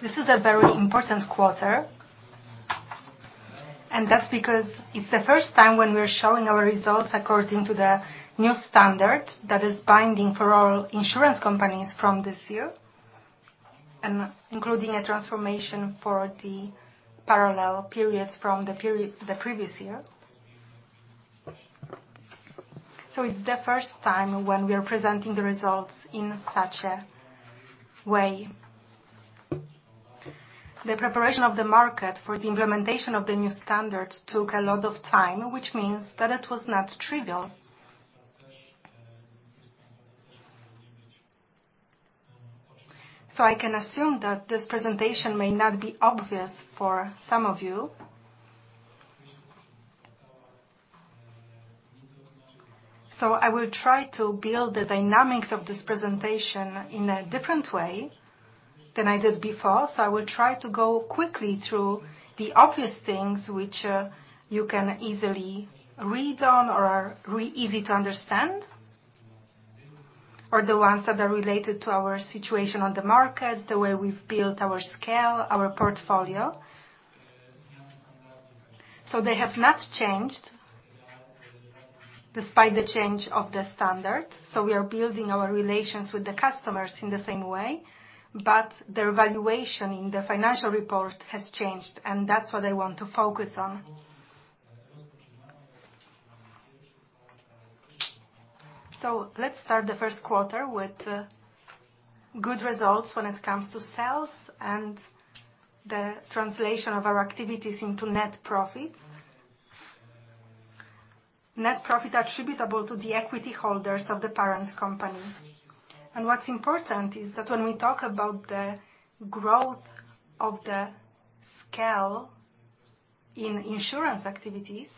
This is a very important quarter, that's because it's the first time when we're showing our results according to the new standard that is binding for all insurance companies from this year, including a transformation for the parallel periods from the previous year. It's the first time when we are presenting the results in such a way. The preparation of the market for the implementation of the new standard took a lot of time, which means that it was not trivial. I can assume that this presentation may not be obvious for some of you. I will try to build the dynamics of this presentation in a different way than I did before. I will try to go quickly through the obvious things, which you can easily read on or are easy to understand, or the ones that are related to our situation on the market, the way we've built our scale, our portfolio. They have not changed despite the change of the standard, so we are building our relations with the customers in the same way, but their valuation in the financial report has changed, and that's what I want to focus on. Let's start the first quarter with good results when it comes to sales and the translation of our activities into net profits. Net profit attributable to the equity holders of the parent company. What's important is that when we talk about the growth of the scale in insurance activities,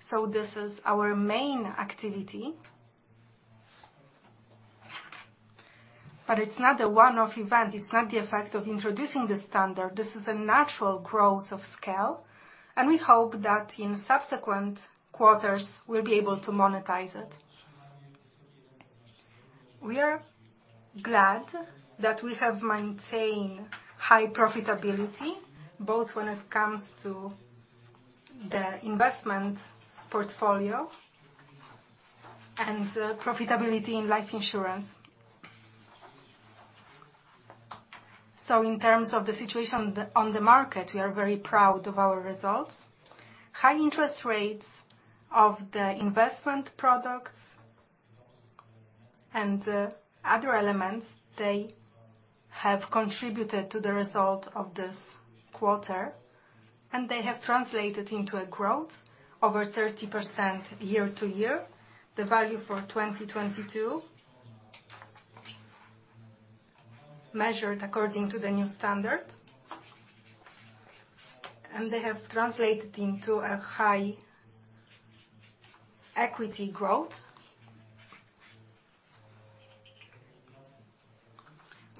so this is our main activity. It's not a one-off event, it's not the effect of introducing the standard. This is a natural growth of scale, and we hope that in subsequent quarters we'll be able to monetize it. We are glad that we have maintained high profitability, both when it comes to the investment portfolio and the profitability in life insurance. In terms of the situation on the market, we are very proud of our results. High interest rates of the investment products and other elements, they have contributed to the result of this quarter, and they have translated into a growth over 30% year-over-year, the value for 2022 measured according to the new standard. They have translated into a high equity growth.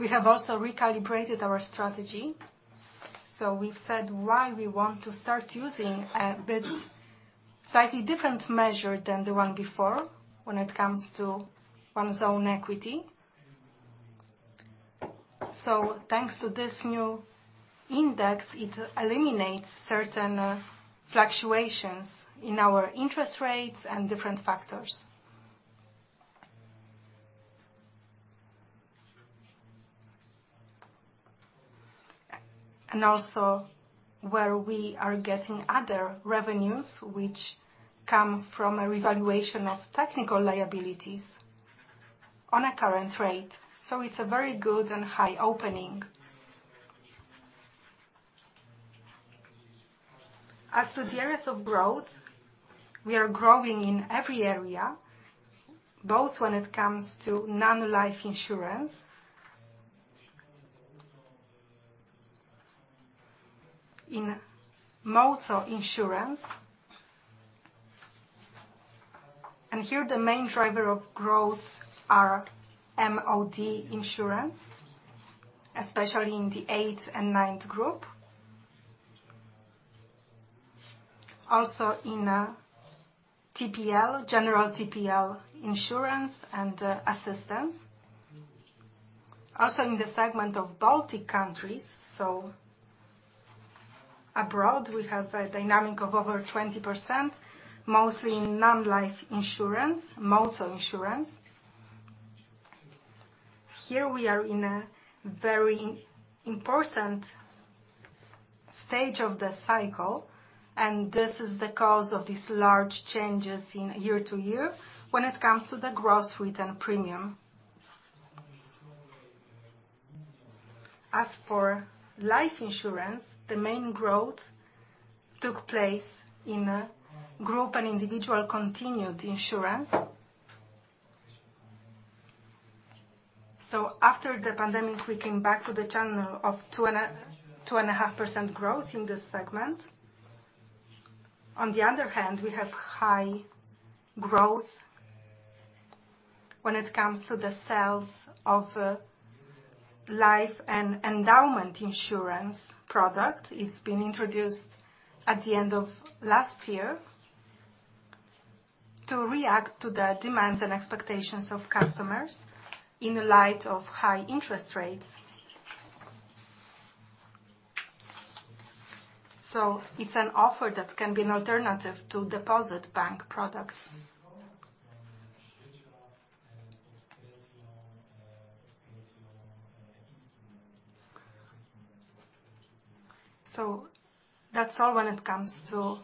We have also recalibrated our strategy, so we've said why we want to start using a bit slightly different measure than the one before when it comes to one's own equity. Thanks to this new index, it eliminates certain fluctuations in our interest rates and different factors. Where we are getting other revenues, which come from a revaluation of technical liabilities on a current rate. It's a very good and high opening. As to the areas of growth, we are growing in every area, both when it comes to non-life insurance. In motor insurance, here the main driver of growth are MOD insurance, especially in the eighth and ninth group. In TPL, general TPL insurance and assistance. In the segment of Baltic countries, so abroad, we have a dynamic of over 20%, mostly in non-life insurance, motor insurance. Here we are in a very important stage of the cycle. This is the cause of these large changes in year-to-year when it comes to the Gross Written Premium. As for life insurance, the main growth took place in a group and individual continued insurance. After the pandemic, we came back to the channel of 2.5% growth in this segment. On the other hand, we have high growth when it comes to the sales of life and endowment insurance product. It's been introduced at the end of last year to react to the demands and expectations of customers in light of high interest rates. It's an offer that can be an alternative to deposit bank products. That's all when it comes to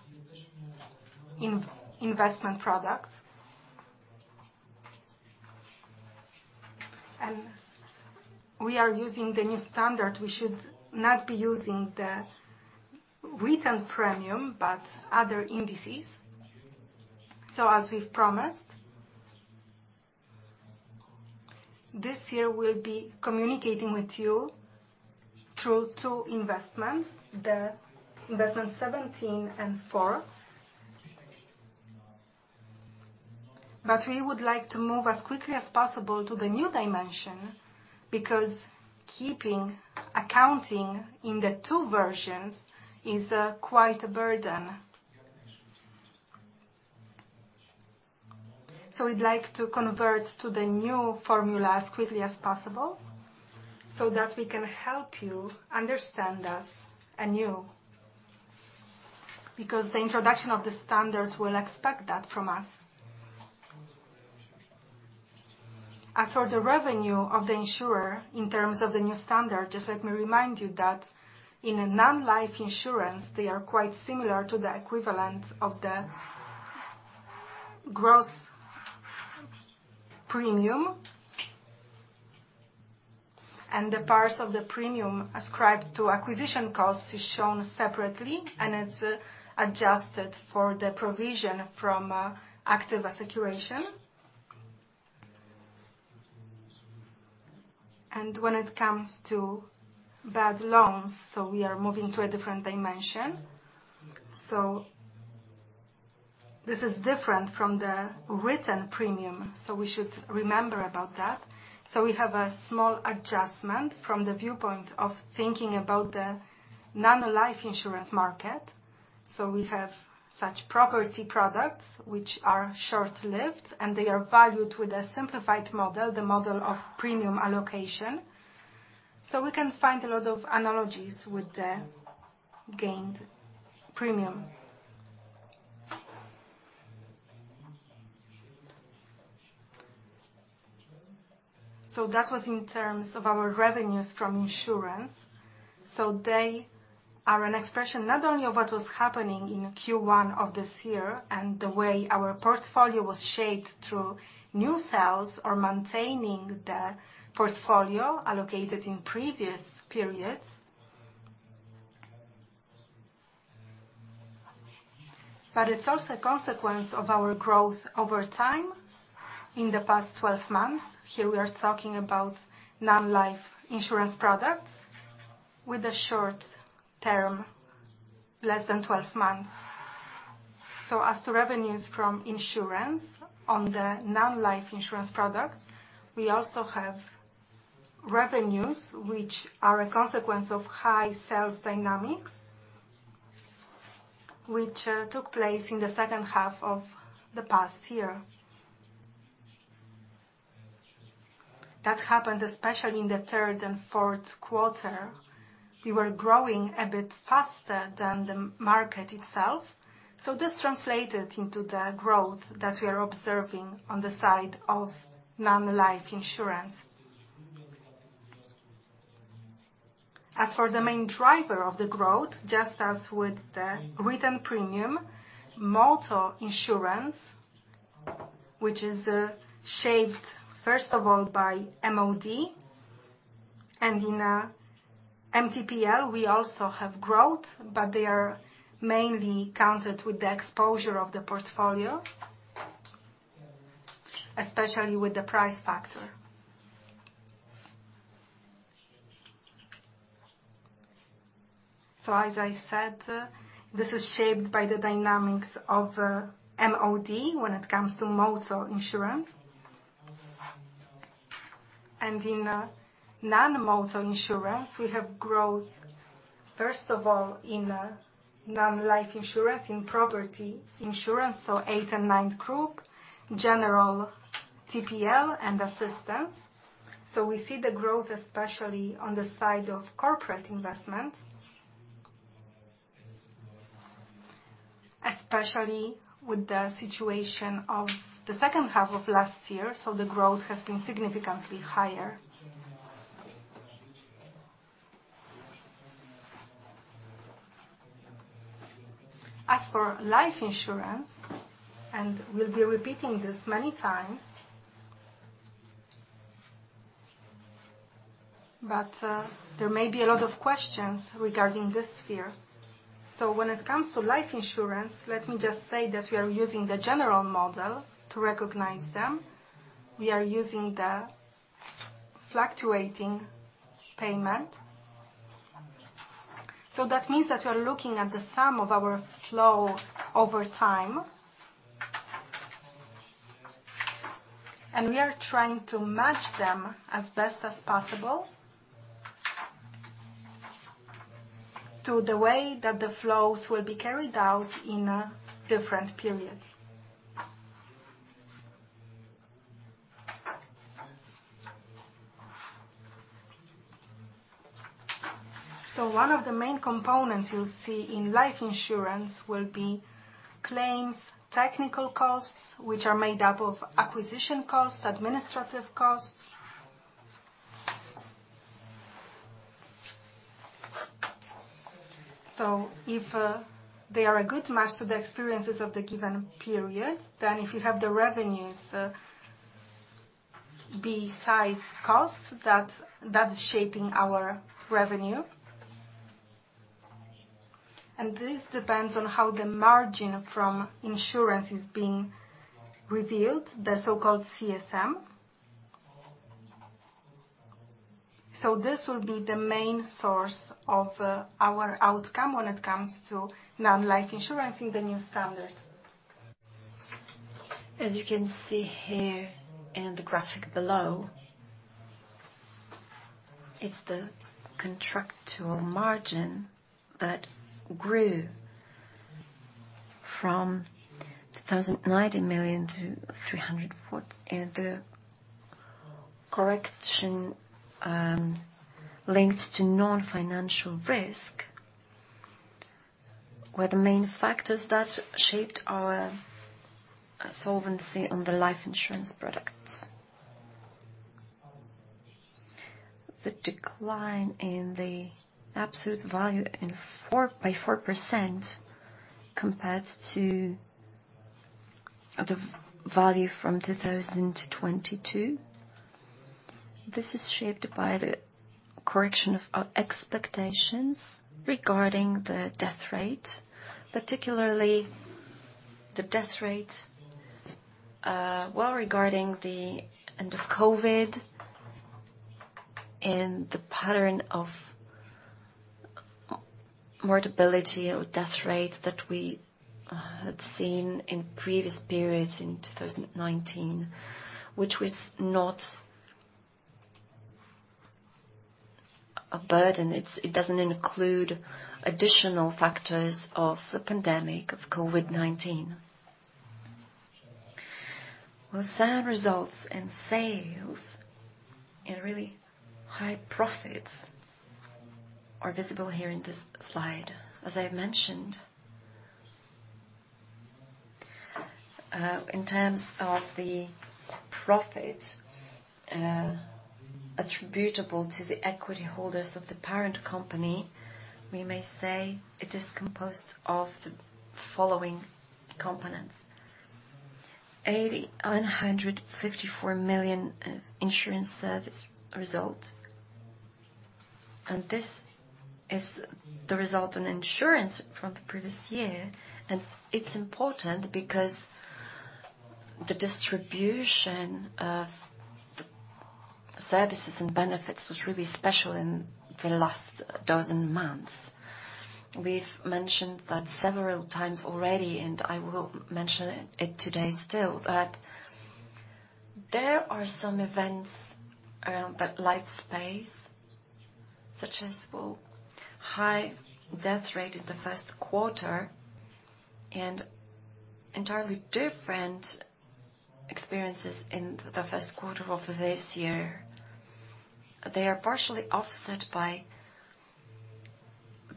investment products. We are using the new standard. We should not be using the written premium, but other indices. As we've promised, this year, we'll be communicating with you through two investments, the investment 17 and 4. We would like to move as quickly as possible to the new dimension, because keeping accounting in the two versions is quite a burden. We'd like to convert to the new formula as quickly as possible, so that we can help you understand us anew, because the introduction of the standard will expect that from us. As for the revenue of the insurer in terms of the new standard, just let me remind you that in a non-life insurance, they are quite similar to the equivalent of the gross premium, and the parts of the premium ascribed to acquisition costs is shown separately, and it's adjusted for the provision from active situation. When it comes to bad loans, we are moving to a different dimension. This is different from the written premium, we should remember about that. We have a small adjustment from the viewpoint of thinking about the non-life insurance market. We have such property products, which are short-lived, and they are valued with a simplified model, the model of Premium Allocation. We can find a lot of analogies with the gained premium. That was in terms of our revenues from insurance. They are an expression not only of what was happening in Q1 of this year and the way our portfolio was shaped through new sales or maintaining the portfolio allocated in previous periods. It's also a consequence of our growth over time in the past 12 months. Here, we are talking about non-life insurance products with a short term, less than 12 months. As to revenues from insurance on the non-life insurance products, we also have revenues, which are a consequence of high sales dynamics, which took place in the second half of the past year. That happened, especially in the third and fourth quarter. We were growing a bit faster than the market itself, so this translated into the growth that we are observing on the side of non-life insurance. As for the main driver of the growth, just as with the written premium, motor insurance, which is shaped, first of all, by MOD, and in MTPL, we also have growth, but they are mainly counted with the exposure of the portfolio, especially with the price factor. As I said, this is shaped by the dynamics of MOD when it comes to motor insurance. In non-motor insurance, we have growth, first of all, in non-life insurance, in property insurance, so eighth and ninth group, general TPL and assistance. We see the growth, especially on the side of corporate investment, especially with the situation of the second half of last year, so the growth has been significantly higher. As for life insurance, we'll be repeating this many times, but there may be a lot of questions regarding this sphere. When it comes to life insurance, let me just say that we are using the general model to recognize them. We are using the fluctuating payment. That means that we are looking at the sum of our flow over time, and we are trying to match them as best as possible. To the way that the flows will be carried out in different periods. One of the main components you'll see in life insurance will be claims, technical costs, which are made up of acquisition costs, administrative costs. If they are a good match to the experiences of the given period, then if you have the revenues, besides costs, that is shaping our revenue. This depends on how the margin from insurance is being revealed, the so-called CSM. This will be the main source of our outcome when it comes to non-life insurance in the new standard. As you can see here in the graphic below, it's the contractual margin that grew from 290 million to 340 million, the correction, links to non-financial risk, were the main factors that shaped our solvency on the life insurance products. The decline in the absolute value by 4% compared to the value from 2022. This is shaped by the correction of our expectations regarding the death rate, particularly the death rate, while regarding the end of COVID and the pattern of mortality or death rate that we had seen in previous periods in 2019, which was not a burden. It doesn't include additional factors of the pandemic, of COVID-19. Well, sad results and sales and really high profits are visible here in this slide. As I mentioned, in terms of the profit attributable to the equity holders of the parent company, we may say it is composed of the following components: PLN 854 million of insurance service result, and this is the result on insurance from the previous year. It's important because the distribution of services and benefits was really special in the last 12 months. We've mentioned that several times already, and I will mention it today still, that there are some events that life space, such as, well, high death rate in the first quarter and entirely different experiences in the first quarter of this year. They are partially offset by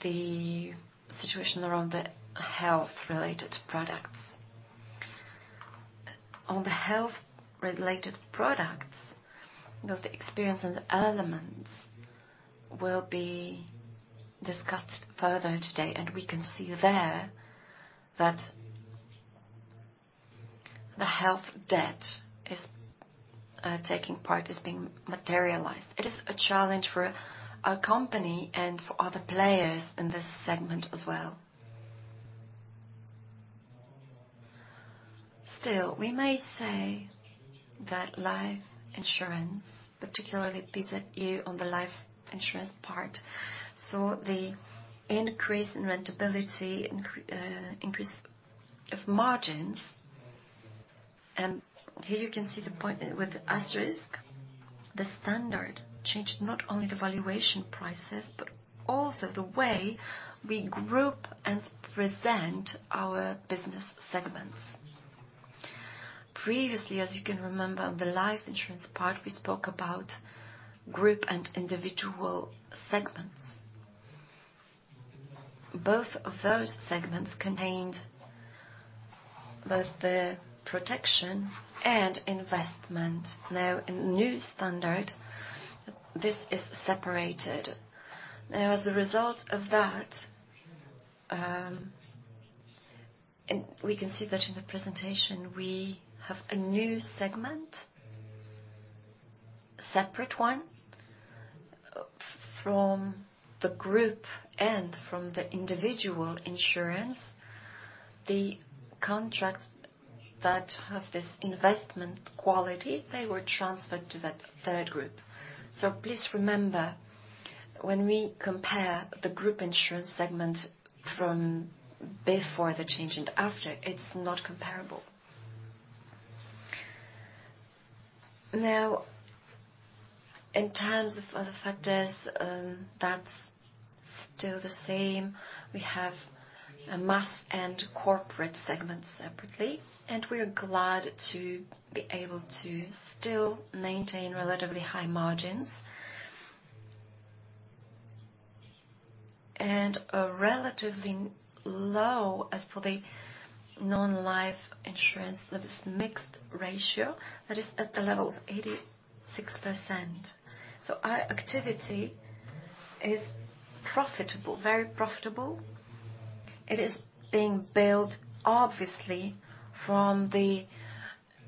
the situation around the health-related products. On the health-related products, those experience and elements will be discussed further today. We can see there that the health debt is taking part, is being materialized. It is a challenge for our company and for other players in this segment as well. We may say that life insurance, particularly this year on the life insurance part, saw the increase in rentability, increase of margins. Here you can see the point with the asterisk. The standard changed not only the valuation prices, but also the way we group and present our business segments. Previously, as you can remember, on the life insurance part, we spoke about group and individual segments. Both of those segments contained both the protection and investment. In the new standard, this is separated. As a result of that, and we can see that in the presentation, we have a new segment, a separate one, from the group and from the individual insurance. The contracts that have this investment quality, they were transferred to that third group. So please remember, when we compare the group insurance segment from before the change and after, it's not comparable. In terms of other factors, that's still the same. We have a mass and corporate segment separately, and we are glad to be able to still maintain relatively high margins. A relatively low as for the non-life insurance, that is mixed ratio, that is at the level of 86%. Our activity is profitable, very profitable. It is being built obviously from the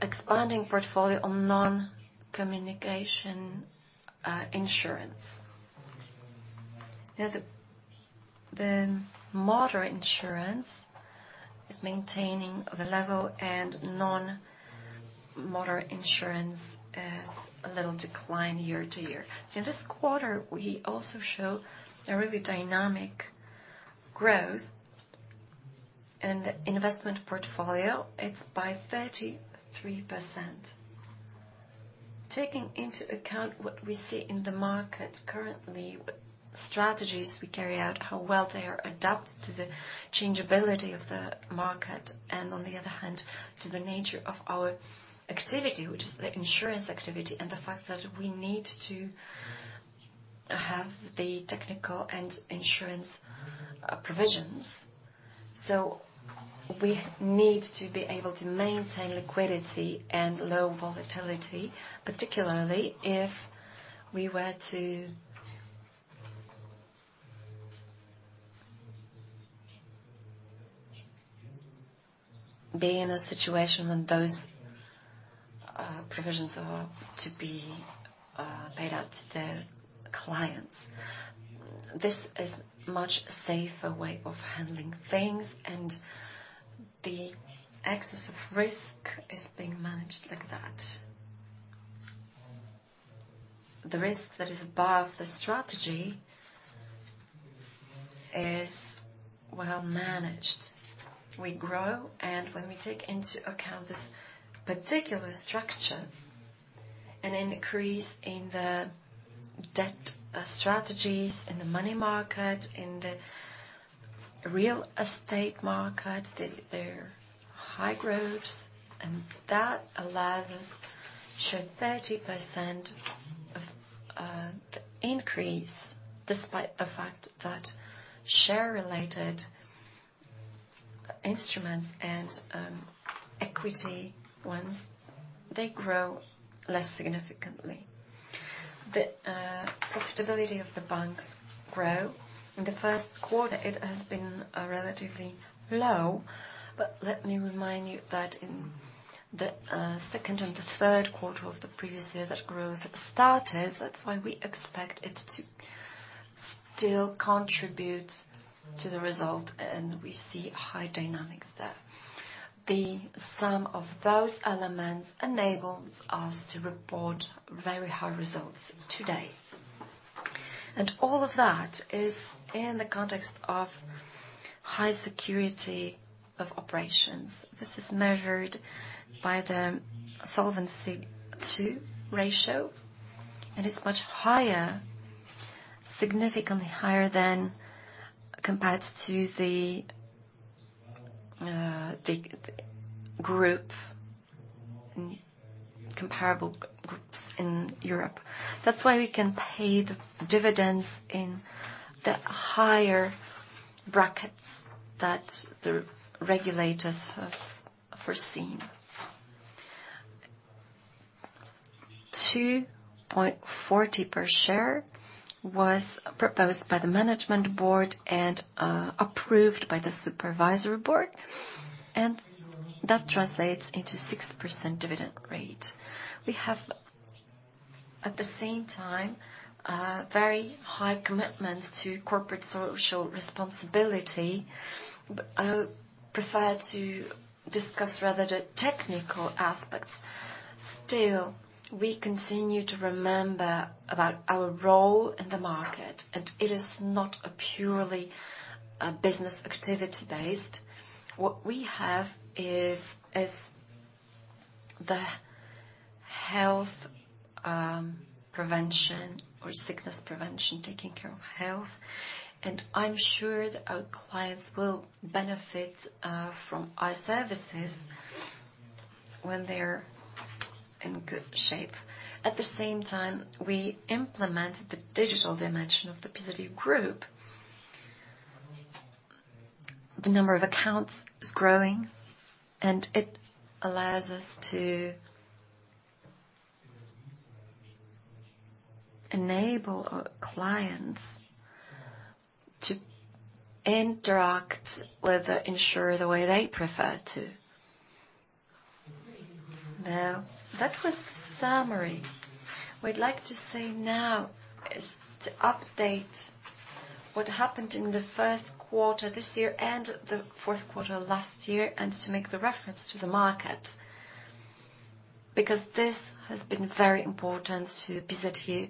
expanding portfolio on non-communication insurance. The motor insurance is maintaining the level, non-motor insurance is a little decline year-over-year. In this quarter, we also show a really dynamic growth in the investment portfolio. It's by 33%. Taking into account what we see in the market currently, what strategies we carry out, how well they are adapted to the changeability of the market, and on the other hand, to the nature of our activity, which is the insurance activity, and the fact that we need to have the technical and insurance provisions. We need to be able to maintain liquidity and low volatility, particularly if we were to be in a situation when those provisions are to be paid out to the clients. This is much safer way of handling things, and the excess of risk is being managed like that. The risk that is above the strategy is well managed. We grow, and when we take into account this particular structure, an increase in the debt of strategies in the money market, in the real estate market, they're high growths, and that allows us to show 30% of the increase, despite the fact that share-related instruments and equity ones, they grow less significantly. The profitability of the banks grow. In the first quarter, it has been relatively low, but let me remind you that in the second and third quarter of the previous year, that growth started. That's why we expect it to still contribute to the result, and we see high dynamics there. The sum of those elements enables us to report very high results today. All of that is in the context of high security of operations. This is measured by the Solvency II ratio. It's much higher, significantly higher than compared to the group, comparable groups in Europe. That's why we can pay the dividends in the higher brackets that the regulators have foreseen. 2.40 per share was proposed by the Management Board and approved by the Supervisory Board, and that translates into 6% dividend rate. We have, at the same time, very high commitments to corporate social responsibility, but I would prefer to discuss rather the technical aspects. Still, we continue to remember about our role in the market, and it is not a purely business activity-based. What we have is the health prevention or sickness prevention, taking care of health, and I'm sure that our clients will benefit from our services when they're in good shape. At the same time, we implement the digital dimension of the PZU Group. The number of accounts is growing, and it allows us to enable our clients to interact with the insurer the way they prefer to. That was the summary. We'd like to say now is to update what happened in the first quarter this year and the fourth quarter last year, and to make the reference to the market, because this has been very important to the PZU.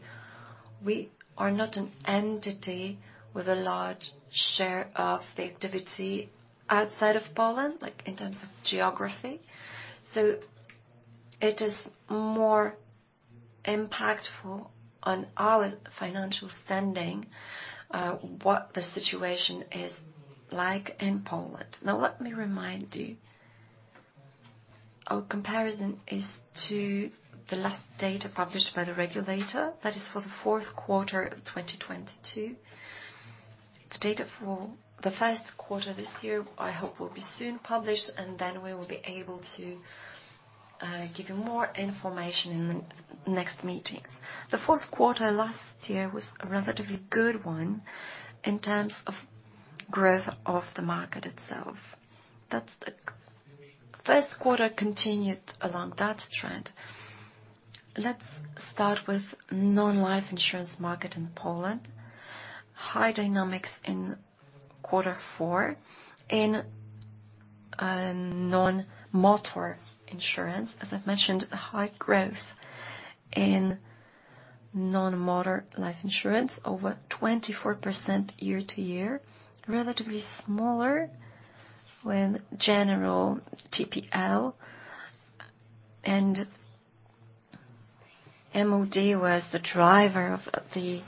We are not an entity with a large share of the activity outside of Poland, like in terms of geography. It is more impactful on our financial standing, what the situation is like in Poland. Let me remind you, our comparison is to the last data published by the regulator. That is for the fourth quarter of 2022. The data for the first quarter this year, I hope, will be soon published. We will be able to give you more information in the next meetings. The fourth quarter last year was a relatively good one in terms of growth of the market itself. That's the first quarter continued along that trend. Let's start with non-life insurance market in Poland. High dynamics in quarter four in non-motor insurance. As I've mentioned, a high growth in non-motor life insurance, over 24% year-over-year, relatively smaller when general TPL and MOD was the driver of the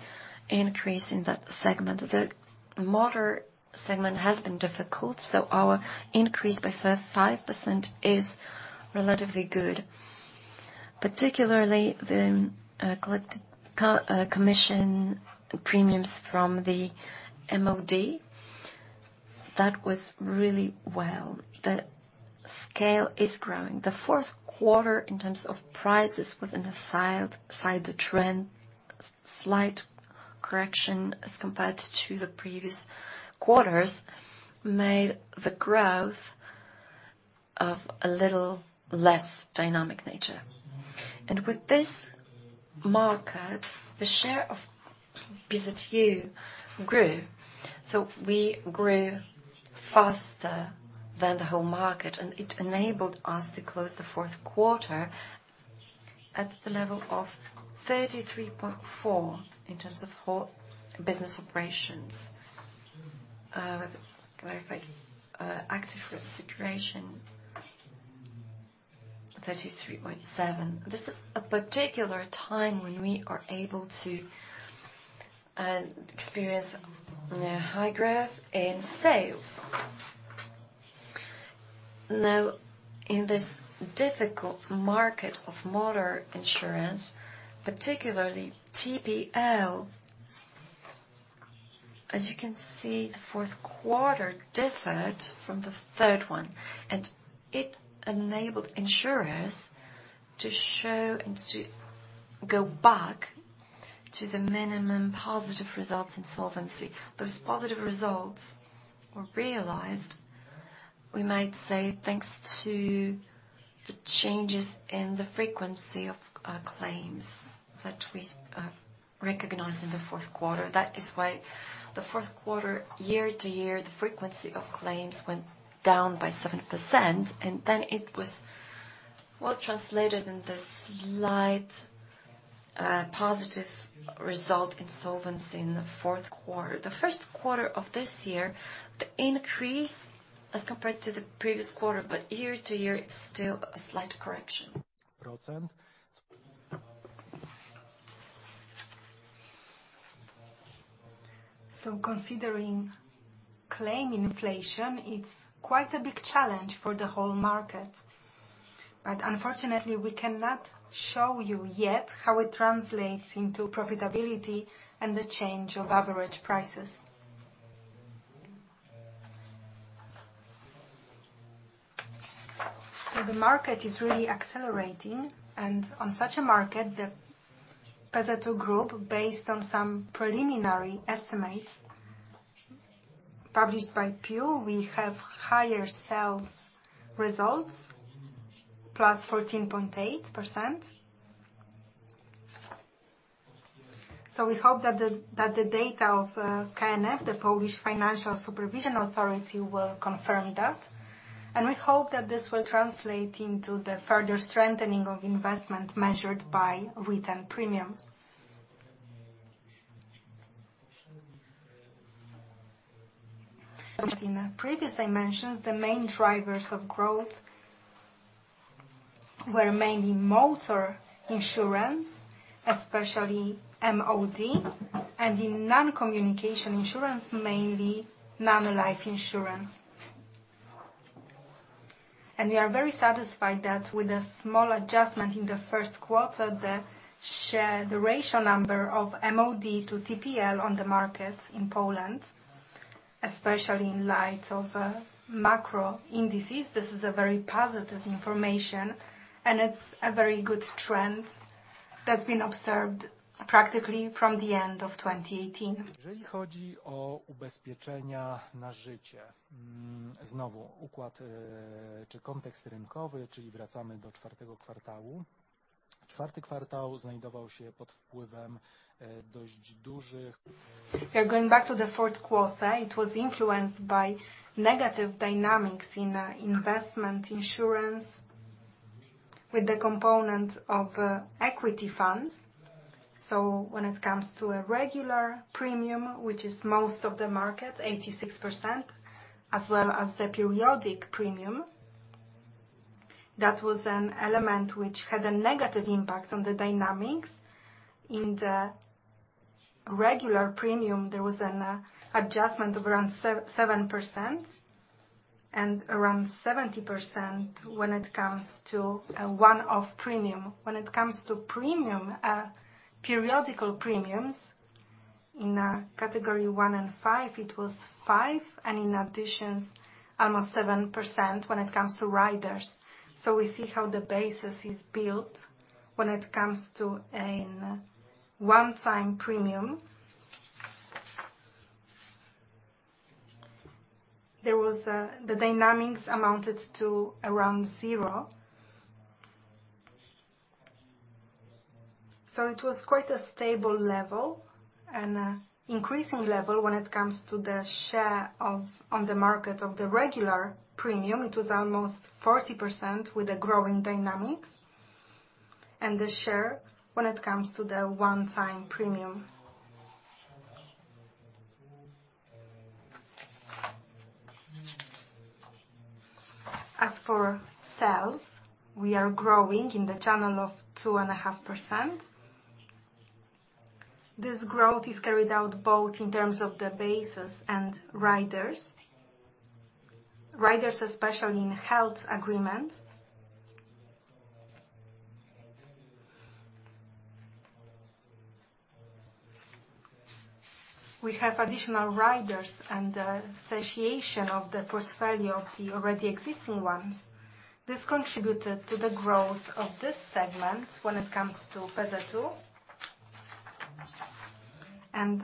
increase in that segment. The motor segment has been difficult. Our increase by 5% is relatively good, particularly the collected commission premiums from the MOD. That was really well. The scale is growing. The fourth quarter, in terms of prices, was in the side the trend. Slight correction as compared to the previous quarters, made the growth of a little less dynamic nature. With this market, the share of PZU grew. We grew faster than the whole market, and it enabled us to close the fourth quarter at the level of 33.4% in terms of whole business operations. Let me clarify, active situation, 33.7%. This is a particular time when we are able to experience high growth in sales. In this difficult market of motor insurance, particularly TPL, as you can see, the fourth quarter differed from the third one, and it enabled insurers to show and to go back to the minimum positive results in solvency. Those positive results were realized, we might say, thanks to the changes in the frequency of claims that we recognized in the fourth quarter. The fourth quarter, year-over-year, the frequency of claims went down by 7%, it was what translated in the slight positive result in solvency in the fourth quarter. The first quarter of this year, the increase as compared to the previous quarter, year-over-year, it's still a slight correction. Considering claim inflation, it's quite a big challenge for the whole market. Unfortunately, we cannot show you yet how it translates into profitability and the change of average prices. The market is really accelerating. On such a market, the PZU Group, based on some preliminary estimates published by PIU, we have higher sales results, +14.8%. We hope that the data of KNF, the Polish Financial Supervision Authority, will confirm that. We hope that this will translate into the further strengthening of investment measured by written premiums. As in the previous dimensions, the main drivers of growth were mainly motor insurance, especially MOD, and in non-communication insurance, mainly non-life insurance. We are very satisfied that with a small adjustment in the first quarter, the share, the ratio number of MOD to TPL on the market in Poland, especially in light of macro indices, this is a very positive information, and it's a very good trend that's been observed practically from the end of 2018. We are going back to the fourth quarter. It was influenced by negative dynamics in investment insurance. with the components of equity funds. When it comes to a regular premium, which is most of the market, 86%, as well as the periodic premium, that was an element which had a negative impact on the dynamics. In the regular premium, there was an adjustment of around 7% and around 70% when it comes to a one-off premium. When it comes to premium, periodical premiums, in category one and five, it was 5%, and in additions, almost 7% when it comes to riders. We see how the basis is built when it comes to a one-time premium. There was, the dynamics amounted to around zero. It was quite a stable level and a increasing level when it comes to the share on the market of the regular premium. It was almost 40% with a growing dynamics and the share when it comes to the one-time premium. As for sales, we are growing in the channel of 2.5%. This growth is carried out both in terms of the basis and riders. Riders, especially in health agreements. We have additional riders and, satiation of the portfolio of the already existing ones. This contributed to the growth of this segment when it comes to PZU.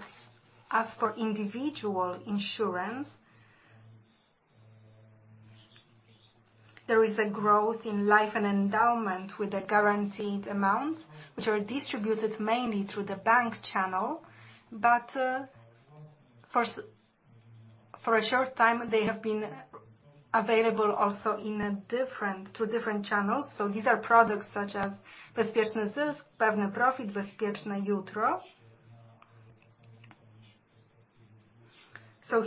As for individual insurance, there is a growth in life and endowment with the guaranteed amounts, which are distributed mainly through the bank channel, but first, for a short time, they have been available also in a different, two different channels. These are products such as Bezpieczny Zysk, Pewny Profit, Bezpieczne Jutro.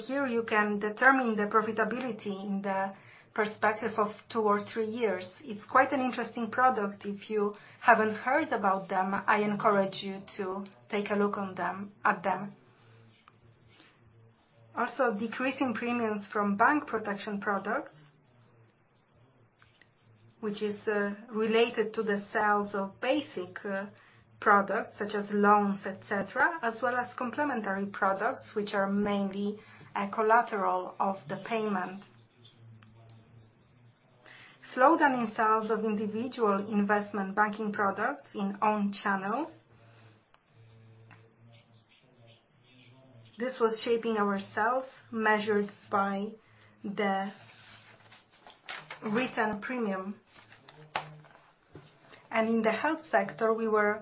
Here you can determine the profitability in the perspective of two or three years. It's quite an interesting product. If you haven't heard about them, I encourage you to take a look on them, at them. Also, decreasing premiums from bank protection products, which is related to the sales of basic products such as loans, et cetera, as well as complementary products, which are mainly a collateral of the payment. Slowdown in sales of individual investment banking products in own channels. This was shaping our sales, measured by the written premium. In the health sector, we were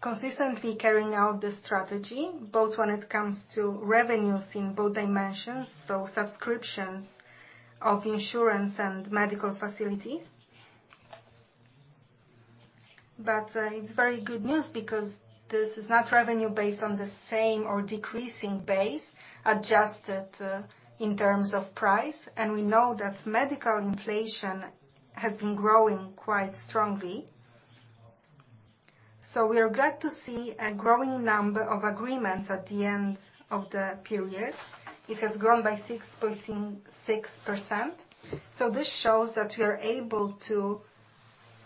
consistently carrying out the strategy, both when it comes to revenues in both dimensions, so subscriptions of insurance and medical facilities. It's very good news because this is not revenue based on the same or decreasing base, adjusted in terms of price, and we know that medical inflation has been growing quite strongly. We are glad to see a growing number of agreements at the end of the period. It has grown by 6.6%. So this shows that we are able to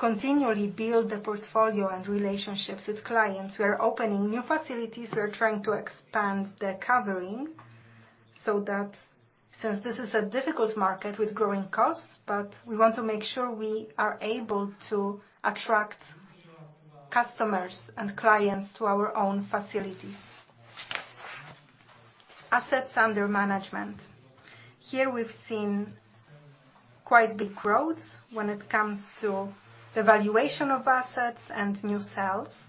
continually build the portfolio and relationships with clients. We are opening new facilities. We are trying to expand the covering, so that since this is a difficult market with growing costs, we want to make sure we are able to attract customers and clients to our own facilities. Assets under management. Here we've seen quite big growth when it comes to the valuation of assets and new sales.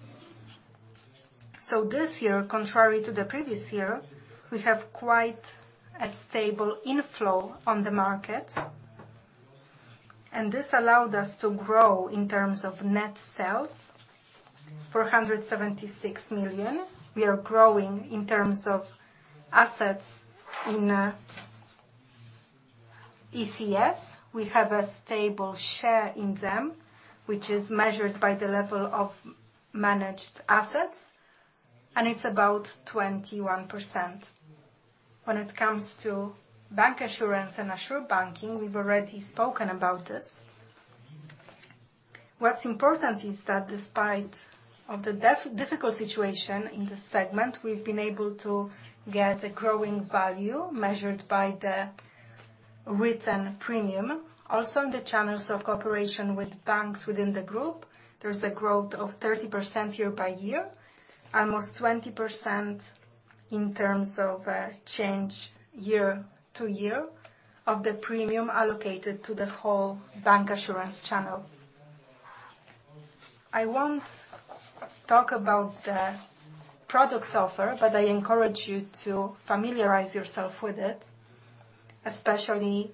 This year, contrary to the previous year, we have quite a stable inflow on the market, this allowed us to grow in terms of net sales, 476 million. We are growing in terms of assets in ECS. We have a stable share in them, which is measured by the level of managed assets, it's about 21%. When it comes to bancassurance and assurbanking, we've already spoken about this. What's important is that despite of the. difficult situation in this segment, we've been able to get a growing value measured by the written premium. In the channels of cooperation with banks within the group, there's a growth of 30% year by year, almost 20% in terms of change year-to-year, of the premium allocated to the whole bancassurance channel. I won't talk about the product offer, but I encourage you to familiarize yourself with it. especially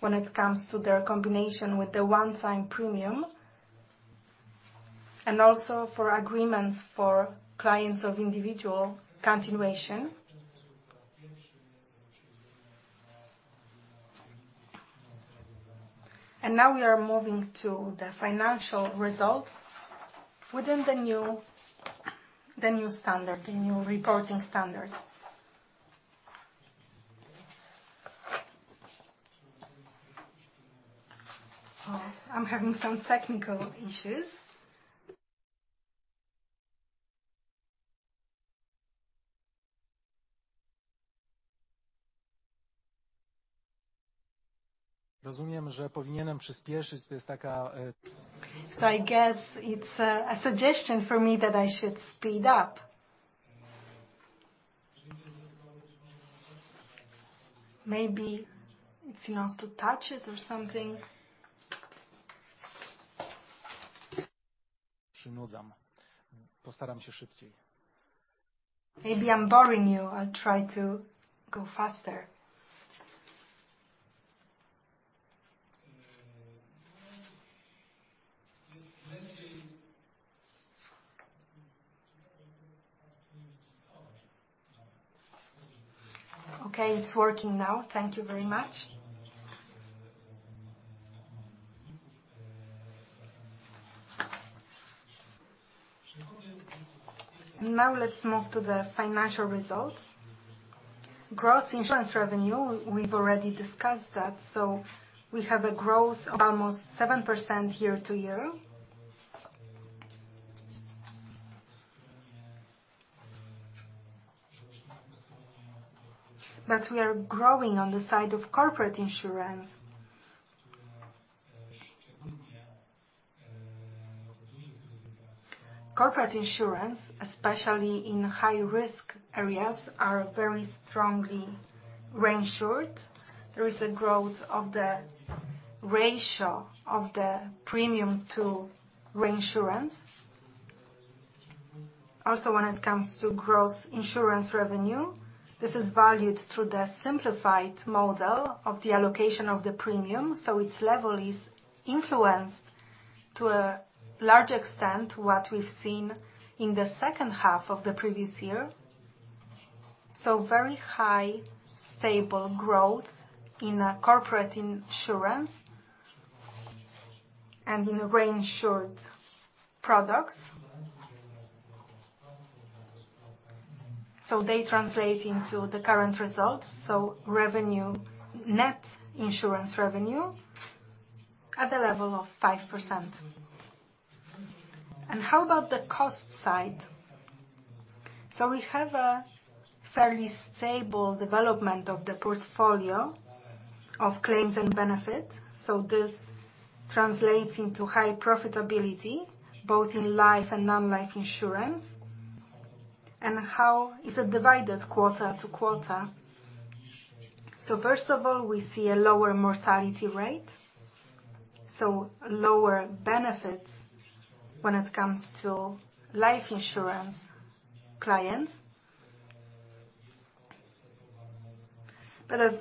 when it comes to their combination with the one-time premium, and also for agreements for clients of individual continuation. We are moving to the financial results within the new standard, the new reporting standards. I'm having some technical issues. I guess it's a suggestion for me that I should speed up. Maybe it's, you know, to touch it or something. Maybe I'm boring you. I'll try to go faster. Okay, it's working now. Thank you very much. Let's move to the financial results. Gross Insurance Revenue, we've already discussed that. We have a growth of almost 7% year-to-year. We are growing on the side of corporate insurance. Corporate insurance, especially in high-risk areas, are very strongly reinsured. There is a growth of the ratio of the premium to reinsurance. Also, when it comes to Gross Insurance Revenue, this is valued through the simplified model of the allocation of the premium, so its level is influenced to a large extent, what we've seen in the second half of the previous year. Very high, stable growth in corporate insurance and in reinsured products. They translate into the current results. Revenue, Net Insurance Revenue at the level of 5%. How about the cost side? We have a fairly stable development of the portfolio of claims and benefits. This translates into high profitability, both in life and non-life insurance. How is it divided quarter to quarter? First of all, we see a lower mortality rate, so lower benefits when it comes to life insurance clients.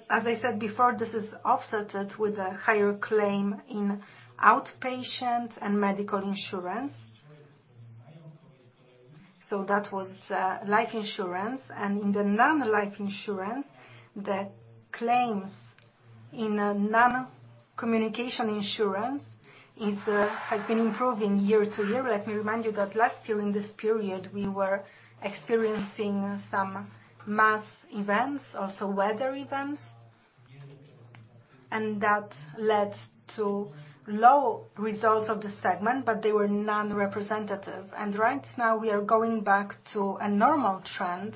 As I said before, this is offset with a higher claim in outpatient and medical insurance. That was life insurance. In the non-life insurance, the claims in a non-motor insurance is has been improving year-to-year. Let me remind you that last year in this period, we were experiencing some mass events, also weather events, and that led to low results of the segment, but they were non-representative. Right now, we are going back to a normal trend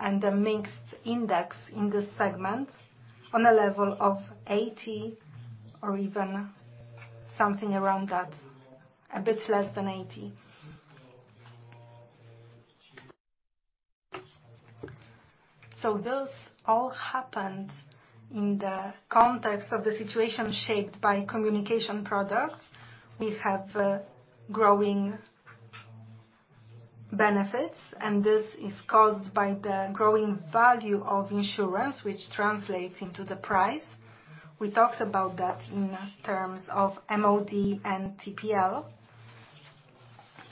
and a mixed index in this segment on a level of 80 or even something around that, a bit less than 80. This all happened in the context of the situation shaped by communication products. We have growing benefits, and this is caused by the growing value of insurance, which translates into the price. We talked about that in terms of MOD and TPL.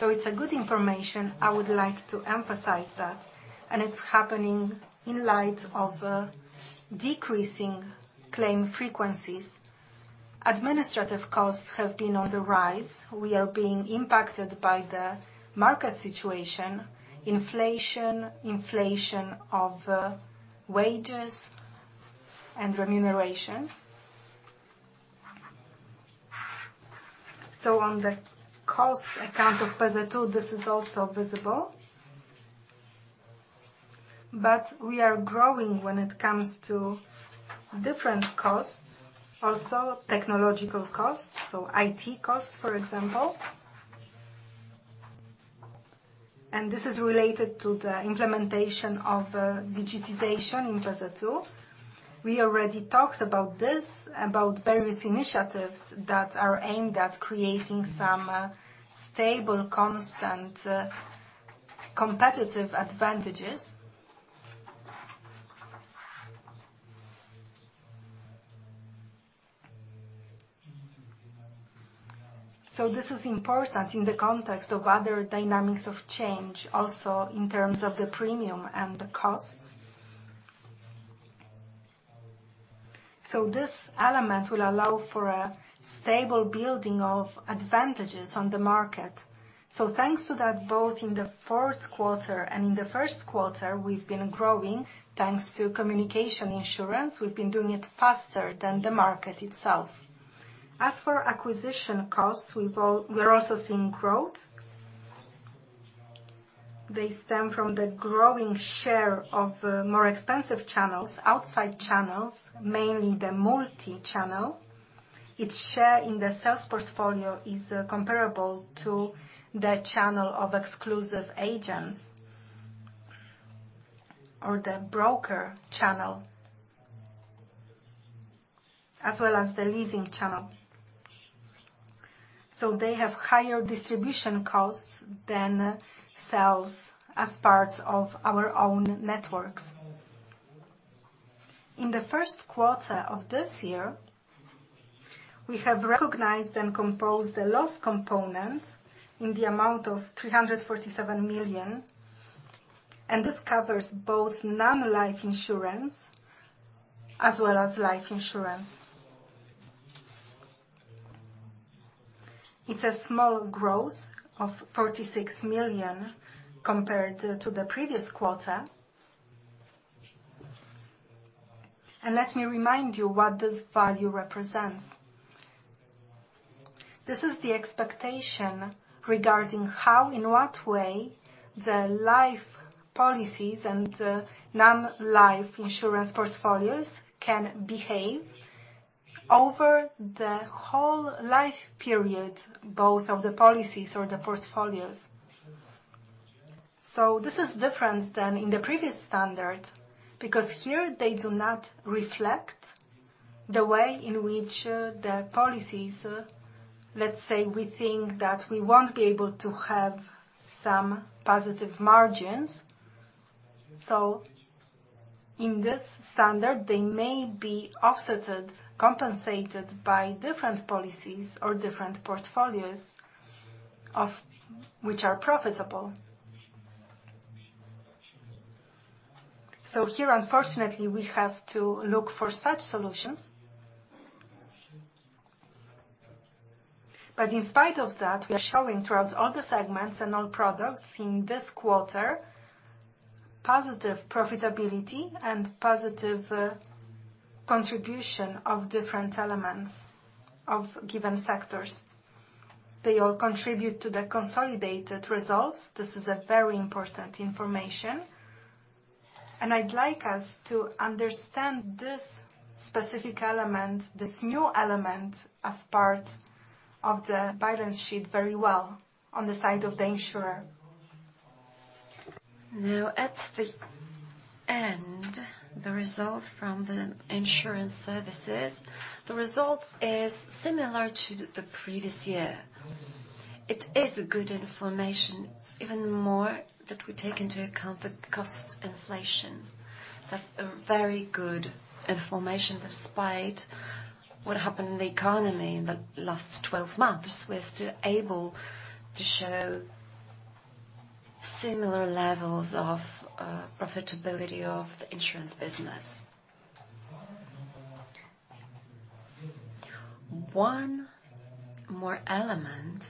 It's a good information. I would like to emphasize that, and it's happening in light of decreasing claim frequencies. Administrative costs have been on the rise. We are being impacted by the market situation, inflation of wages and remunerations. On the cost account of PZU, this is also visible. We are growing when it comes to different costs, also technological costs, so IT costs, for example. This is related to the implementation of digitization in PZU. We already talked about this, about various initiatives that are aimed at creating some stable, constant competitive advantages. This is important in the context of other dynamics of change, also in terms of the premium and the costs. This element will allow for a stable building of advantages on the market. Thanks to that, both in the fourth quarter and in the first quarter, we've been growing. Thanks to communication insurance, we've been doing it faster than the market itself. As for acquisition costs, we're also seeing growth. They stem from the growing share of more expensive channels, outside channels, mainly the multi-channel. Its share in the sales portfolio is comparable to the channel of exclusive agents or the broker channel, as well as the leasing channel. They have higher distribution costs than sales as part of our own networks. In the first quarter of this year, we have recognized and composed the loss components in the amount of 347 million, and this covers both non-life insurance as well as life insurance. It's a small growth of 46 million compared to the previous quarter. Let me remind you what this value represents. This is the expectation regarding how, in what way, the life policies and the non-life insurance portfolios can behave over the whole life period, both of the policies or the portfolios. This is different than in the previous standard, because here they do not reflect the way in which the policies, let's say, we think that we won't be able to have some positive margins. In this standard, they may be offset, compensated by different policies or different portfolios of which are profitable. Here, unfortunately, we have to look for such solutions. In spite of that, we are showing throughout all the segments and all products in this quarter, positive profitability and positive contribution of different elements of given sectors. They all contribute to the consolidated results. This is a very important information, and I'd like us to understand this specific element, this new element, as part of the balance sheet very well on the side of the insurer. Now, at the end, the result from the insurance services, the result is similar to the previous year. It is a good information, even more, that we take into account the cost inflation. That's a very good information. Despite what happened in the economy in the last 12 months, we're still able to show similar levels of profitability of the insurance business. One more element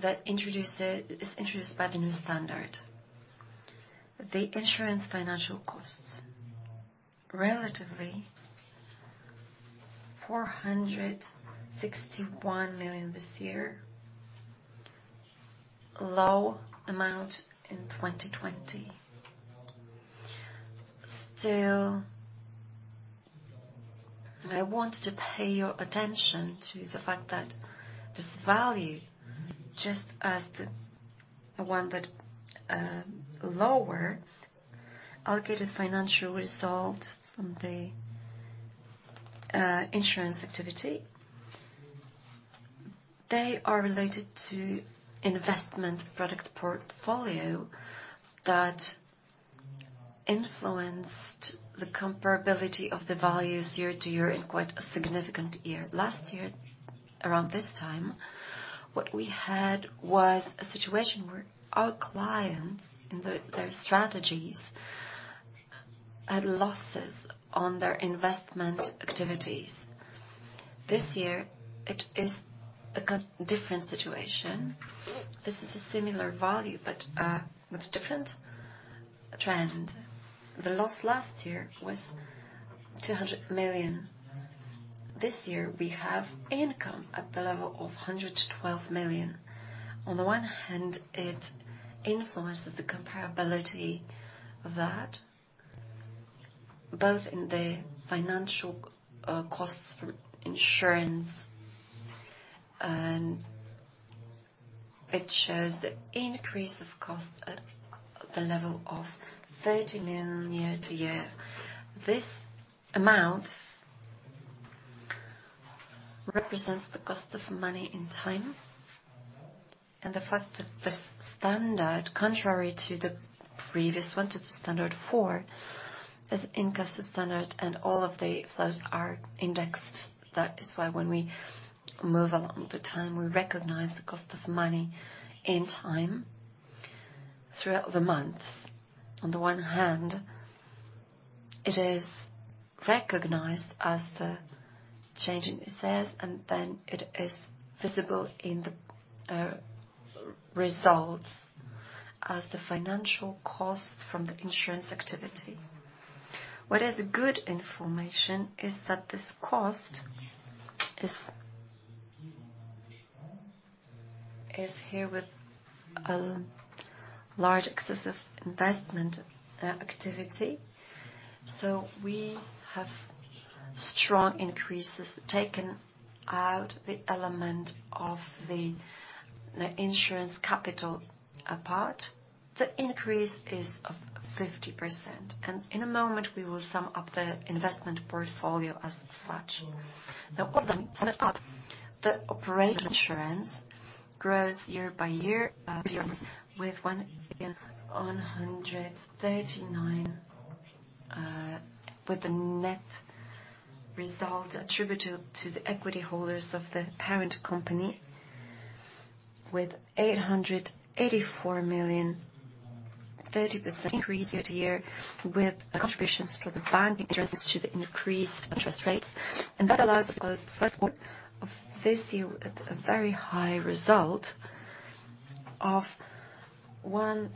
that is introduced by the new standard. The Insurance Finance Costs, relatively, PLN 461 million this year, a low amount in 2020. Still, I want to pay your attention to the fact that this value, just as the one that lower allocated financial result from the insurance activity, they are related to investment product portfolio that influenced the comparability of the values year-to-year in quite a significant year. Last year, around this time, what we had was a situation where our clients, in their strategies, had losses on their investment activities. This year, it is a different situation. This is a similar value, but with a different trend. The loss last year was 200 million. This year, we have income at the level of 112 million. On the one hand, it influences the comparability that both in the financial costs for insurance, and it shows the increase of costs at the level of 30 million year-over-year. This amount represents the cost of money and time, and the fact that this standard, contrary to the previous one, to the Standard 4, is in cost of standard and all of the flows are indexed. That is why when we move along the time, we recognize the cost of money in time throughout the month. On the one hand, it is recognized as the change in the sales, and then it is visible in the results as the financial cost from the insurance activity. What is a good information is that this cost is here with a large excessive investment activity. So we have strong increases, taking out the element of the insurance capital apart. The increase is of 50%, and in a moment, we will sum up the investment portfolio as such. Now, the operator insurance grows year by year, with 1,139 billion, with the net result attributable to the equity holders of the parent company with PLN 884 million, 30% increase year-over-year, with the contributions for the bank interest to the increased interest rates. That allows, of course, first quarter of this year, at a very high result of PLN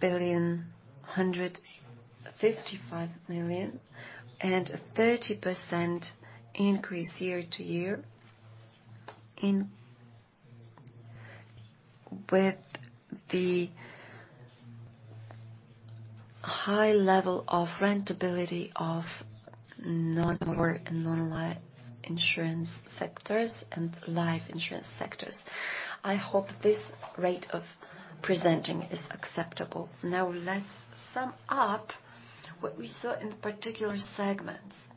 1,155 billion, a 30% increase year-over-year. With the high level of rentability of non-work and non-life insurance sectors and life insurance sectors. I hope this rate of presenting is acceptable. Now, let's sum up what we saw in particular segments.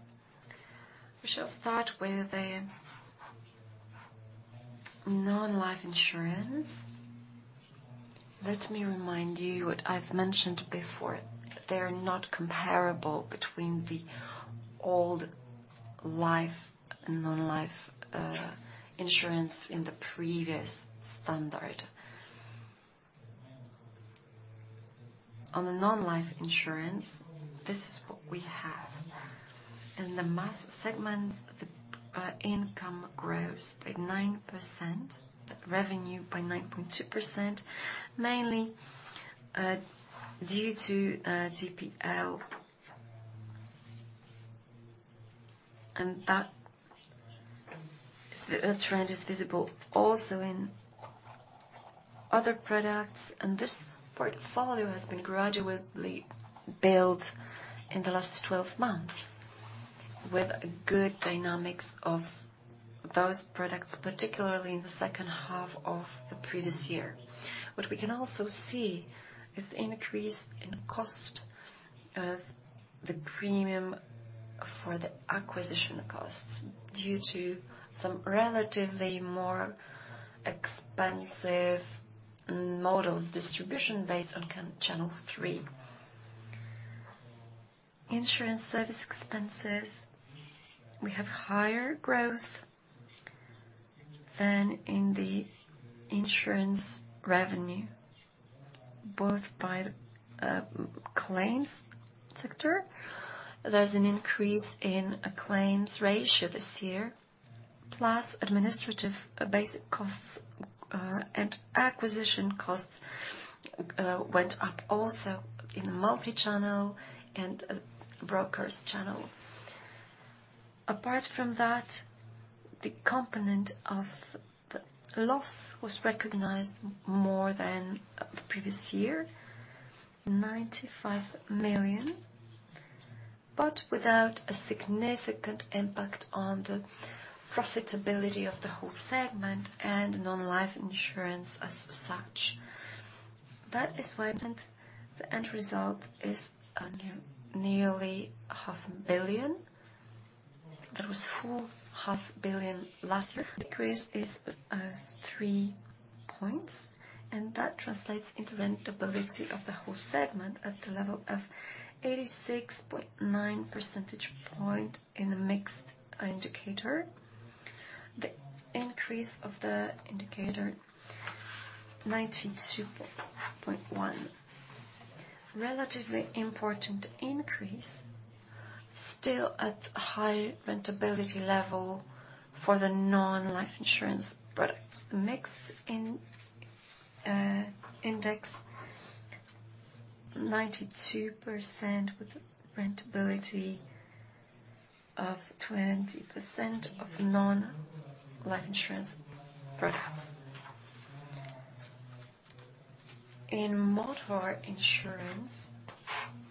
We shall start with the non-life insurance. Let me remind you what I've mentioned before. They're not comparable between the old life and non-life insurance in the previous standard. On the non-life insurance, this is what we have. In the mass segments, the income grows by 9%, the revenue by 9.2%, mainly due to TPL. That trend is visible also in other products, and this portfolio has been gradually built in the last 12 months with good dynamics of those products, particularly in the second half of the previous year. What we can also see is the increase in cost of the premium for the acquisition costs due to some relatively more expensive model distribution based on channel three. Insurance service expenses, we have higher growth than in the insurance revenue, both by the claims sector. There's an increase in a claims ratio this year, plus administrative basic costs, and acquisition costs went up also in the multi-channel and brokers channel. Apart from that, the component of the loss was recognized more than the previous year, 95 million, but without a significant impact on the profitability of the whole segment and non-life insurance as such. That is why the end result is nearly half a billion. There was full half billion last year. Decrease is three points, and that translates into rentability of the whole segment at the level of 86.9 percentage point in the mixed indicator. The increase of the indicator, 92.1%. Relatively important increase, still at high rentability level for the non-life insurance products. Mix in index 92% with rentability of 20% of non-life insurance products. In motor insurance,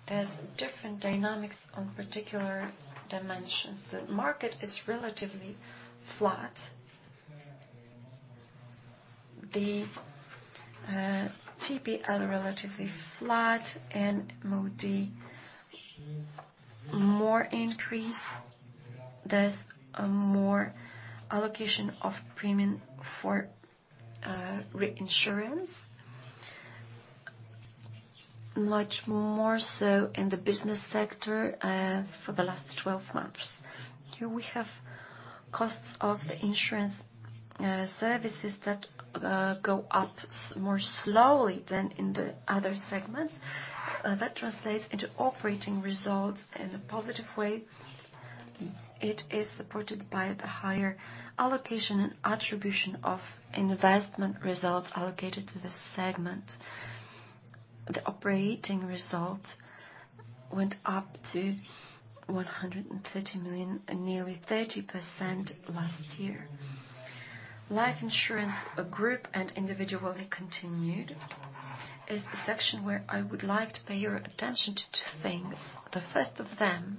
there's different dynamics on particular dimensions. The market is relatively flat. The TPL are relatively flat and MOD more increase. There's a more allocation of premium for reinsurance, much more so in the business sector for the last 12 months. Here we have costs of the insurance services that go up more slowly than in the other segments. That translates into operating results in a positive way. It is supported by the higher allocation and attribution of investment results allocated to this segment. The operating results went up to 130 million, nearly 30% last year. Life insurance, a group and individually continued, is the section where I would like to pay your attention to two things. The first of them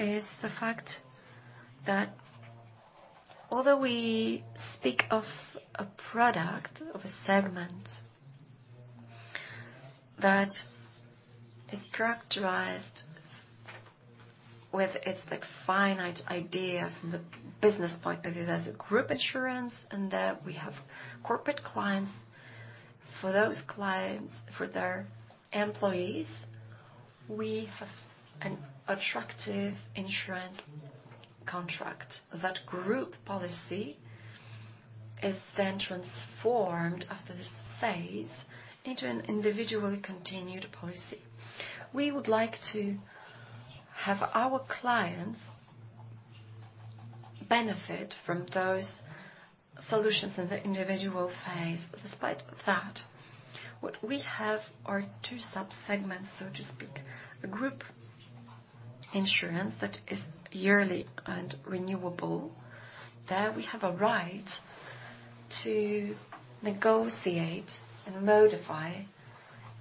is the fact that although we speak of a product, of a segment, that is characterized with its, like, finite idea from the business point of view, there's a group insurance and that we have corporate clients. For those clients, for their employees, we have an attractive insurance contract. That group policy is then transformed after this phase into an individually continued policy. We would like to have our clients benefit from those solutions in the individual phase. Despite that, what we have are two subsegments, so to speak, a group insurance that is yearly and renewable, that we have a right to negotiate and modify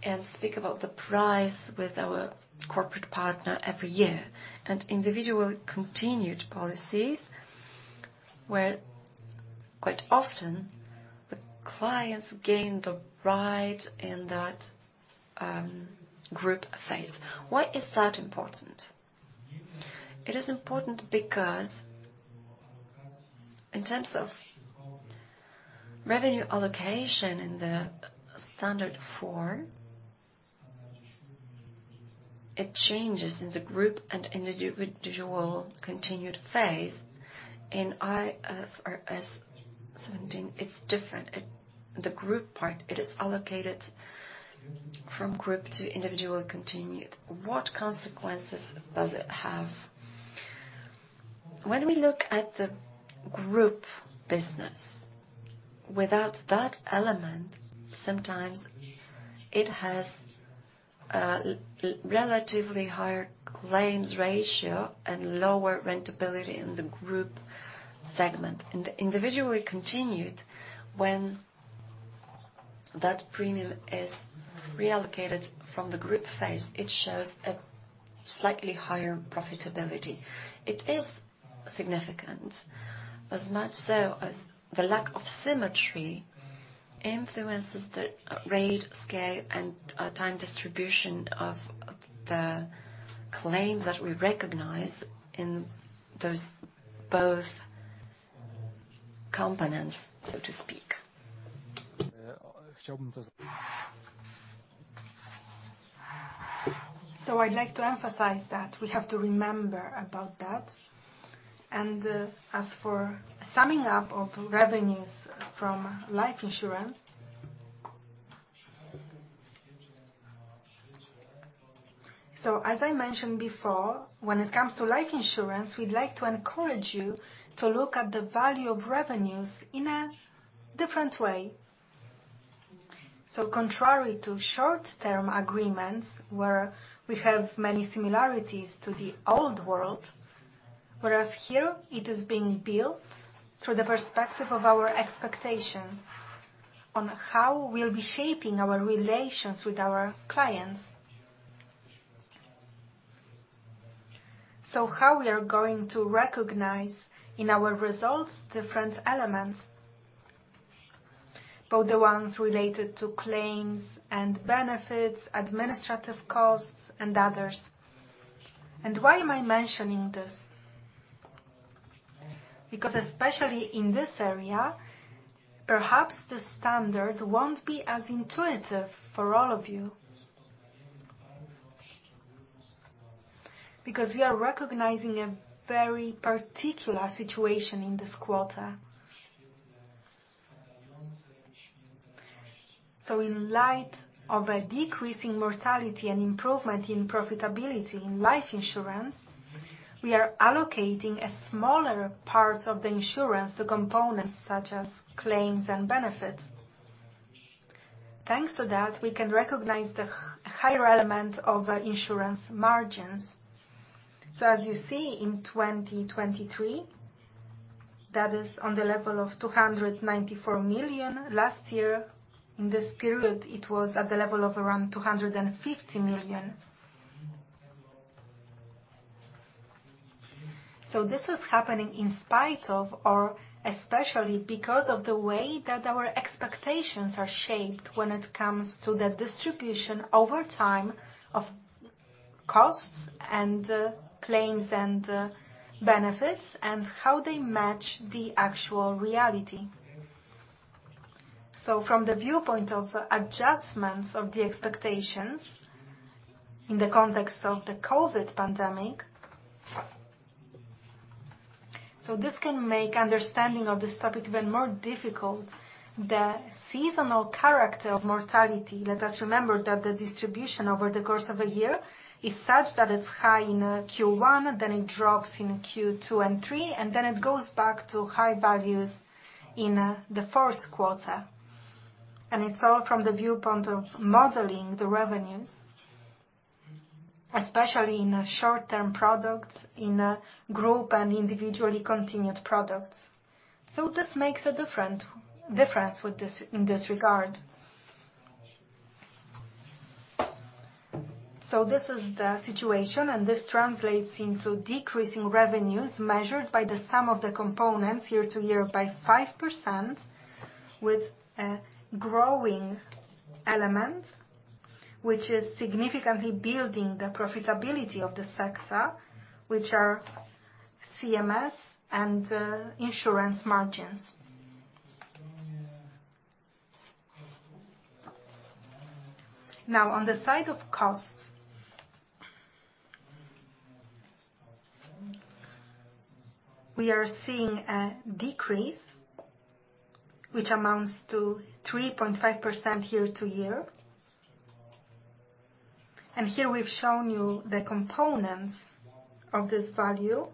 and think about the price with our corporate partner every year, and individual continued policies, where quite often the clients gain the right in that group phase. Why is that important? It is important because in terms of revenue allocation in the standard form, it changes in the group and individual continued phase. In IFRS 17, it's different. The group part, it is allocated from group to individual continued. What consequences does it have? When we look at the group business, without that element, sometimes it has a relatively higher claims ratio and lower rentability in the group segment. In the individually continued, when that premium is reallocated from the group phase, it shows a slightly higher profitability. It is significant, as much so as the lack of symmetry influences the rate, scale, and time distribution of the claim that we recognize in those both components, so to speak. I'd like to emphasize that we have to remember about that, as for summing up of revenues from life insurance. As I mentioned before, when it comes to life insurance, we'd like to encourage you to look at the value of revenues in a different way. Contrary to short-term agreements, where we have many similarities to the old world, whereas here it is being built through the perspective of our expectations on how we'll be shaping our relations with our clients. How we are going to recognize in our results different elements, both the ones related to claims and benefits, administrative costs, and others. Why am I mentioning this? Because especially in this area, perhaps the standard won't be as intuitive for all of you. Because we are recognizing a very particular situation in this quarter. In light of a decreasing mortality and improvement in profitability in life insurance, we are allocating a smaller part of the insurance to components such as claims and benefits. Thanks to that, we can recognize the higher element of our insurance margins. As you see, in 2023, that is on the level of 294 million. Last year, in this period, it was at the level of around 250 million. This is happening in spite of, or especially because of the way that our expectations are shaped when it comes to the distribution over time of costs and claims and benefits, and how they match the actual reality. From the viewpoint of adjustments of the expectations in the context of the COVID pandemic, this can make understanding of this topic even more difficult. The seasonal character of mortality, let us remember that the distribution over the course of a year is such that it's high in Q1, then it drops in Q2 and Q3, and then it goes back to high values in the fourth quarter. It's all from the viewpoint of modeling the revenues, especially in short-term products, in group and individually continued products. This makes a difference in this regard. This is the situation, and this translates into decreasing revenues measured by the sum of the components year-over-year by 5%, with a growing element, which is significantly building the profitability of the sector, which are CMS and insurance margins. On the side of costs, we are seeing a decrease, which amounts to 3.5% year-over-year. Here we've shown you the components of this value.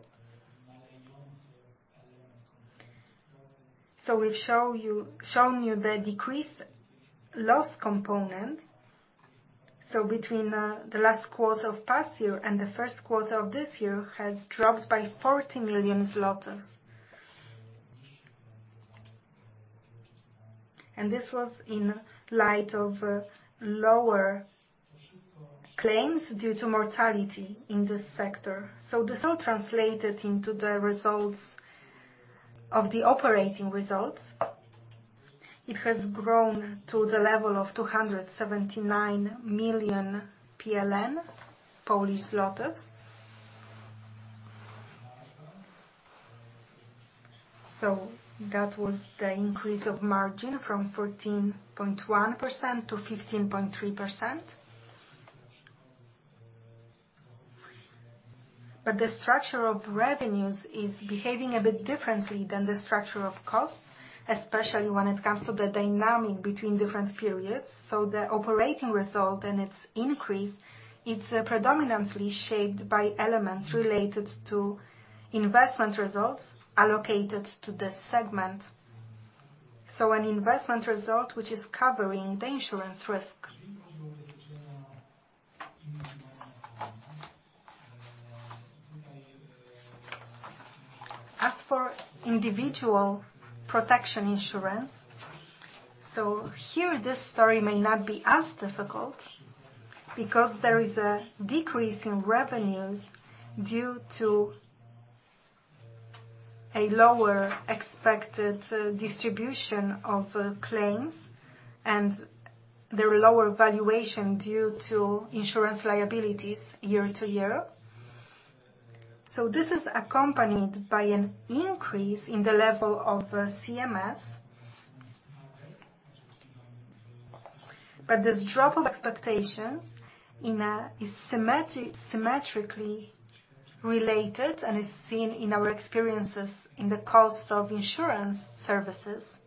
We've shown you the decreased loss component. Between the last quarter of past year and the first quarter of this year, has dropped by 40 million. This was in light of lower claims due to mortality in this sector. This all translated into the results of the operating results. It has grown to the level of 279 million PLN. That was the increase of margin from 14.1% to 15.3%. The structure of revenues is behaving a bit differently than the structure of costs, especially when it comes to the dynamic between different periods. The operating result and its increase, it's predominantly shaped by elements related to investment results allocated to this segment. An investment result, which is covering the insurance risk. As for individual protection insurance, here, this story may not be as difficult because there is a decrease in revenues due to a lower expected distribution of claims and the lower valuation due to insurance liabilities year-to-year. This is accompanied by an increase in the level of CSM. This drop of expectations in a, is symmetrically related and is seen in our experiences in the cost of insurance services.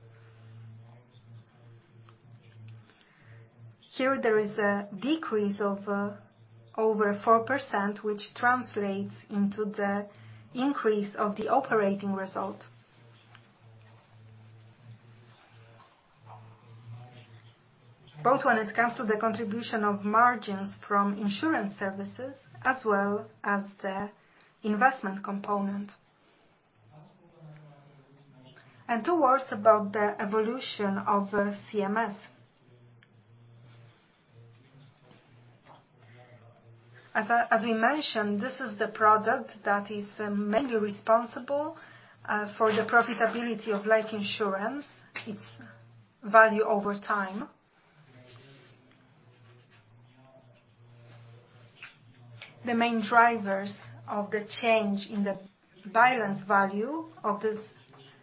Here, there is a decrease of over 4%, which translates into the increase of the operating result. Both when it comes to the contribution of margins from insurance services, as well as the investment component. Two words about the evolution of CMS As we mentioned, this is the product that is mainly responsible for the profitability of life insurance, its value over time. The main drivers of the change in the balance value of this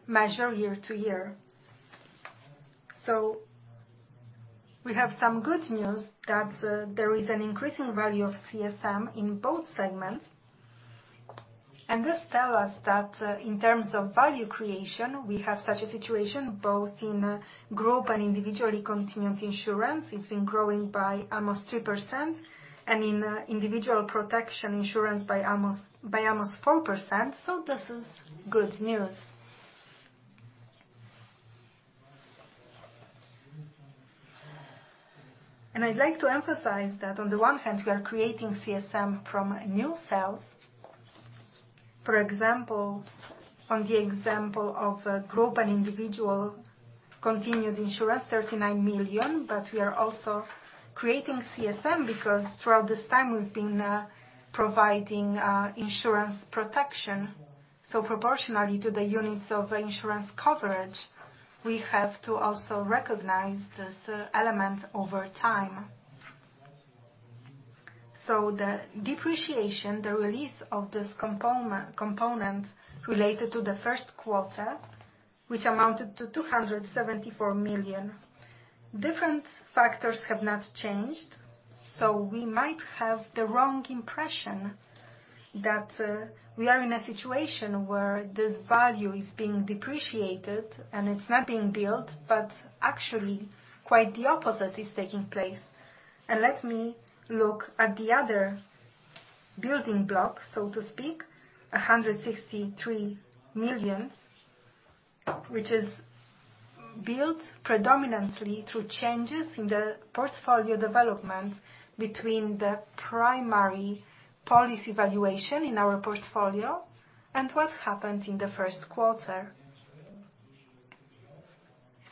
measure year-to-year. We have some good news that there is an increasing value of CSM in both segments. This tell us that in terms of value creation, we have such a situation, both in group and individually continued insurance. It's been growing by almost 2% and in individual protection insurance by almost 4%. This is good news. I'd like to emphasize that on the one hand, we are creating CSM from new sales. On the example of group and individual continued insurance, 39 million. We are also creating CSM because throughout this time we've been providing insurance protection. Proportionally to the units of insurance coverage, we have to also recognize this element over time. The depreciation, the release of this component related to the first quarter, which amounted to 274 million. Different factors have not changed, so we might have the wrong impression that we are in a situation where this value is being depreciated and it's not being built. Actually, quite the opposite is taking place. Let me look at the other building block, so to speak, 163 millions, which is built predominantly through changes in the portfolio development between the primary policy valuation in our portfolio and what happened in the first quarter.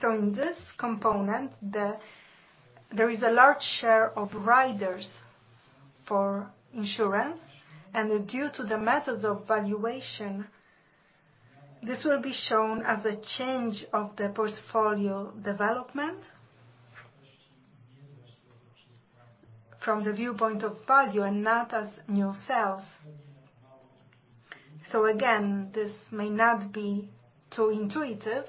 In this component, there is a large share of riders for insurance, and due to the methods of valuation, this will be shown as a change of the portfolio development from the viewpoint of value and not as new sales. Again, this may not be too intuitive,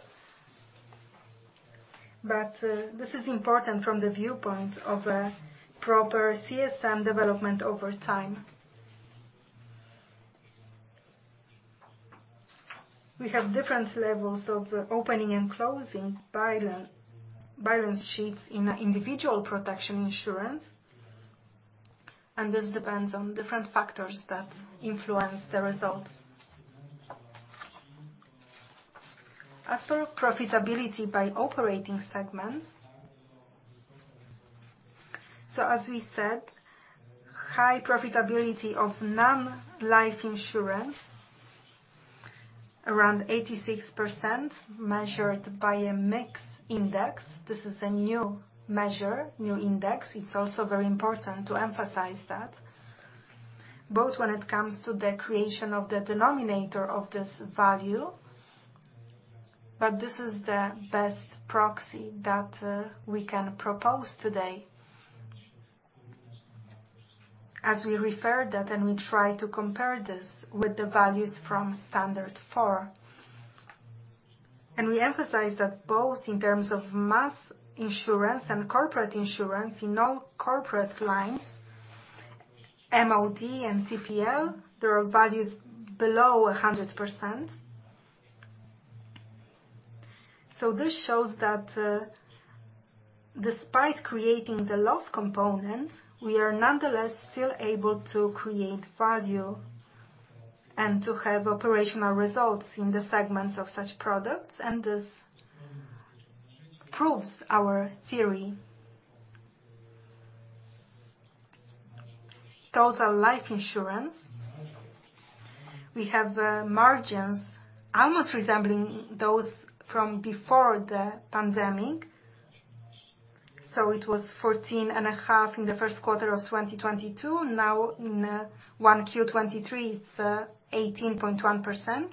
but this is important from the viewpoint of a proper CSM development over time. We have different levels of opening and closing balance sheets in individual protection insurance, and this depends on different factors that influence the results. For profitability by operating segments, as we said, high profitability of non-life insurance, around 86%, measured by a mixed index. This is a new measure, new index. It's also very important to emphasize that, both when it comes to the creation of the denominator of this value, but this is the best proxy that we can propose today. As we refer that, and we try to compare this with the values from standard four. We emphasize that both in terms of mass insurance and corporate insurance, in all corporate lines, MOT and TPL, there are values below 100%. This shows that, despite creating the loss component, we are nonetheless still able to create value and to have operational results in the segments of such products, and this proves our theory. Total life insurance. We have margins almost resembling those from before the pandemic. It was 14.5% in the 1st quarter of 2022, now in 1Q 2023, it's 18.1%.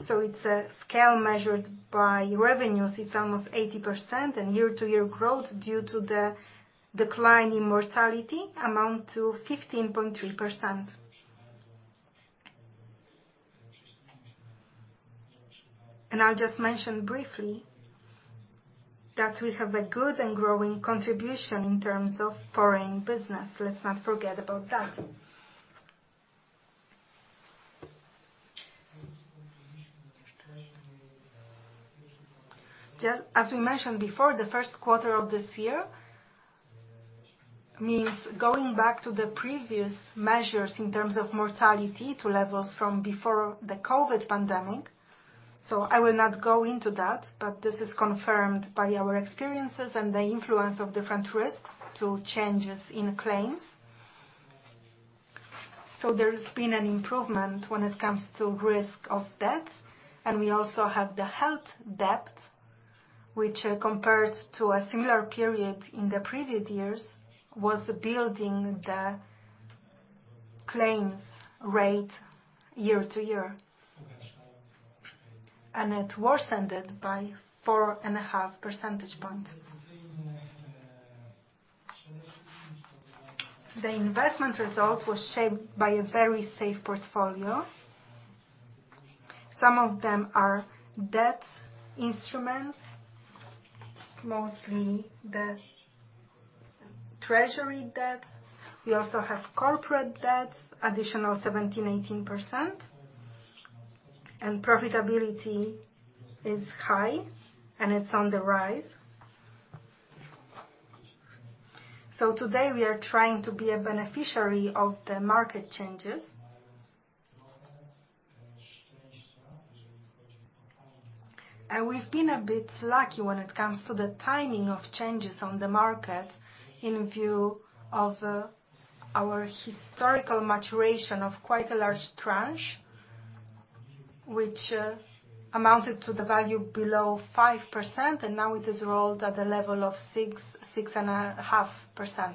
It's a scale measured by revenues. It's almost 80%, and year-to-year growth due to the decline in mortality amount to 15.3%. I'll just mention briefly that we have a good and growing contribution in terms of foreign business. Let's not forget about that. As we mentioned before, the first quarter of this year means going back to the previous measures in terms of mortality to levels from before the COVID pandemic. I will not go into that, but this is confirmed by our experiences and the influence of different risks to changes in claims. There's been an improvement when it comes to risk of death, and we also have the health debt, which, compared to a similar period in the previous years, was building the claims rate year-to-year, and it worsened it by 4.5 percentage points. The investment result was shaped by a very safe portfolio. Some of them are debt instruments, mostly debt, treasury debt. We also have corporate debts, additional 17%, 18%, and profitability is high, and it's on the rise. Today, we are trying to be a beneficiary of the market changes. We've been a bit lucky when it comes to the timing of changes on the market in view of our historical maturation of quite a large tranche, which amounted to the value below 5%, and now it is rolled at a level of 6.5%.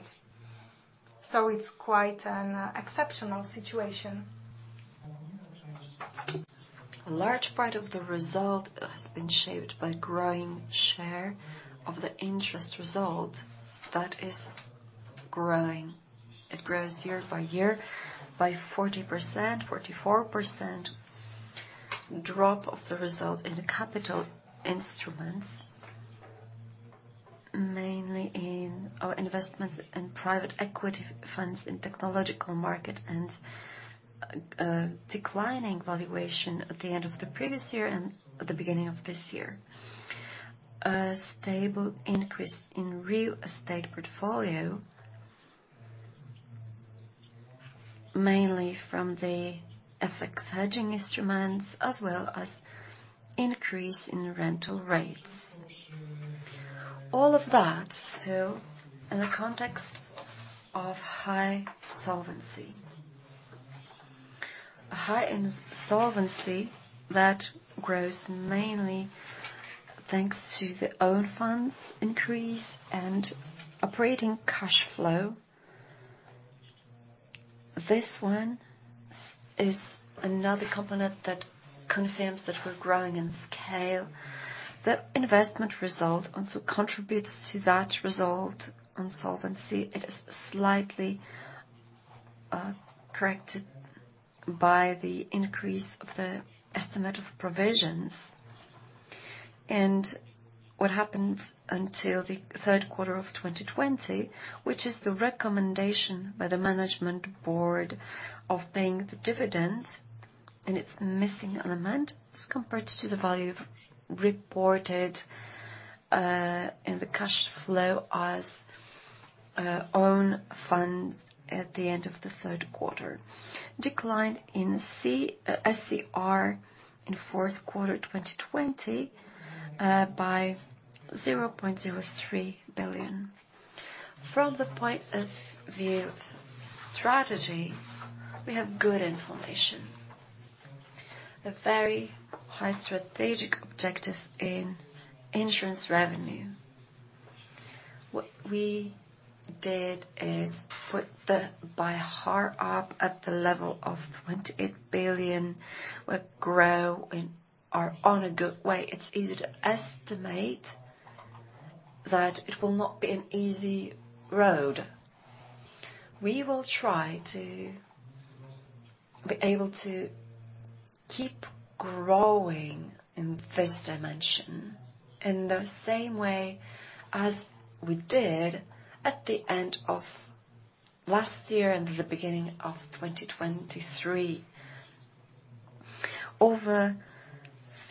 It's quite an exceptional situation. A large part of the result has been shaped by growing share of the interest result that is growing. It grows year by year by 40%, 44%, drop of the result in the capital instruments, mainly in our investments in private equity funds, in technological market, and declining valuation at the end of the previous year and at the beginning of this year. A stable increase in real estate portfolio. Mainly from the FX hedging instruments, as well as increase in rental rates. All of that still in the context of high solvency. A high in solvency that grows mainly thanks to the own funds increase and operating cash flow. This one is another component that confirms that we're growing in scale. The investment result also contributes to that result on solvency. It is slightly corrected by the increase of the estimate of provisions and what happened until the third quarter of 2020, which is the recommendation by the management board of paying the dividends, and it's missing element as compared to the value reported in the cash flow as own funds at the end of the third quarter. Decline in SCR in fourth quarter, 2020, by 0.03 billion. From the point of view of strategy, we have good information. A very high strategic objective in insurance revenue. What we did is put the by heart up at the level of 28 billion, where grow and are on a good way. It's easy to estimate that it will not be an easy road. We will try to be able to keep growing in this dimension in the same way as we did at the end of last year and the beginning of 2023. Over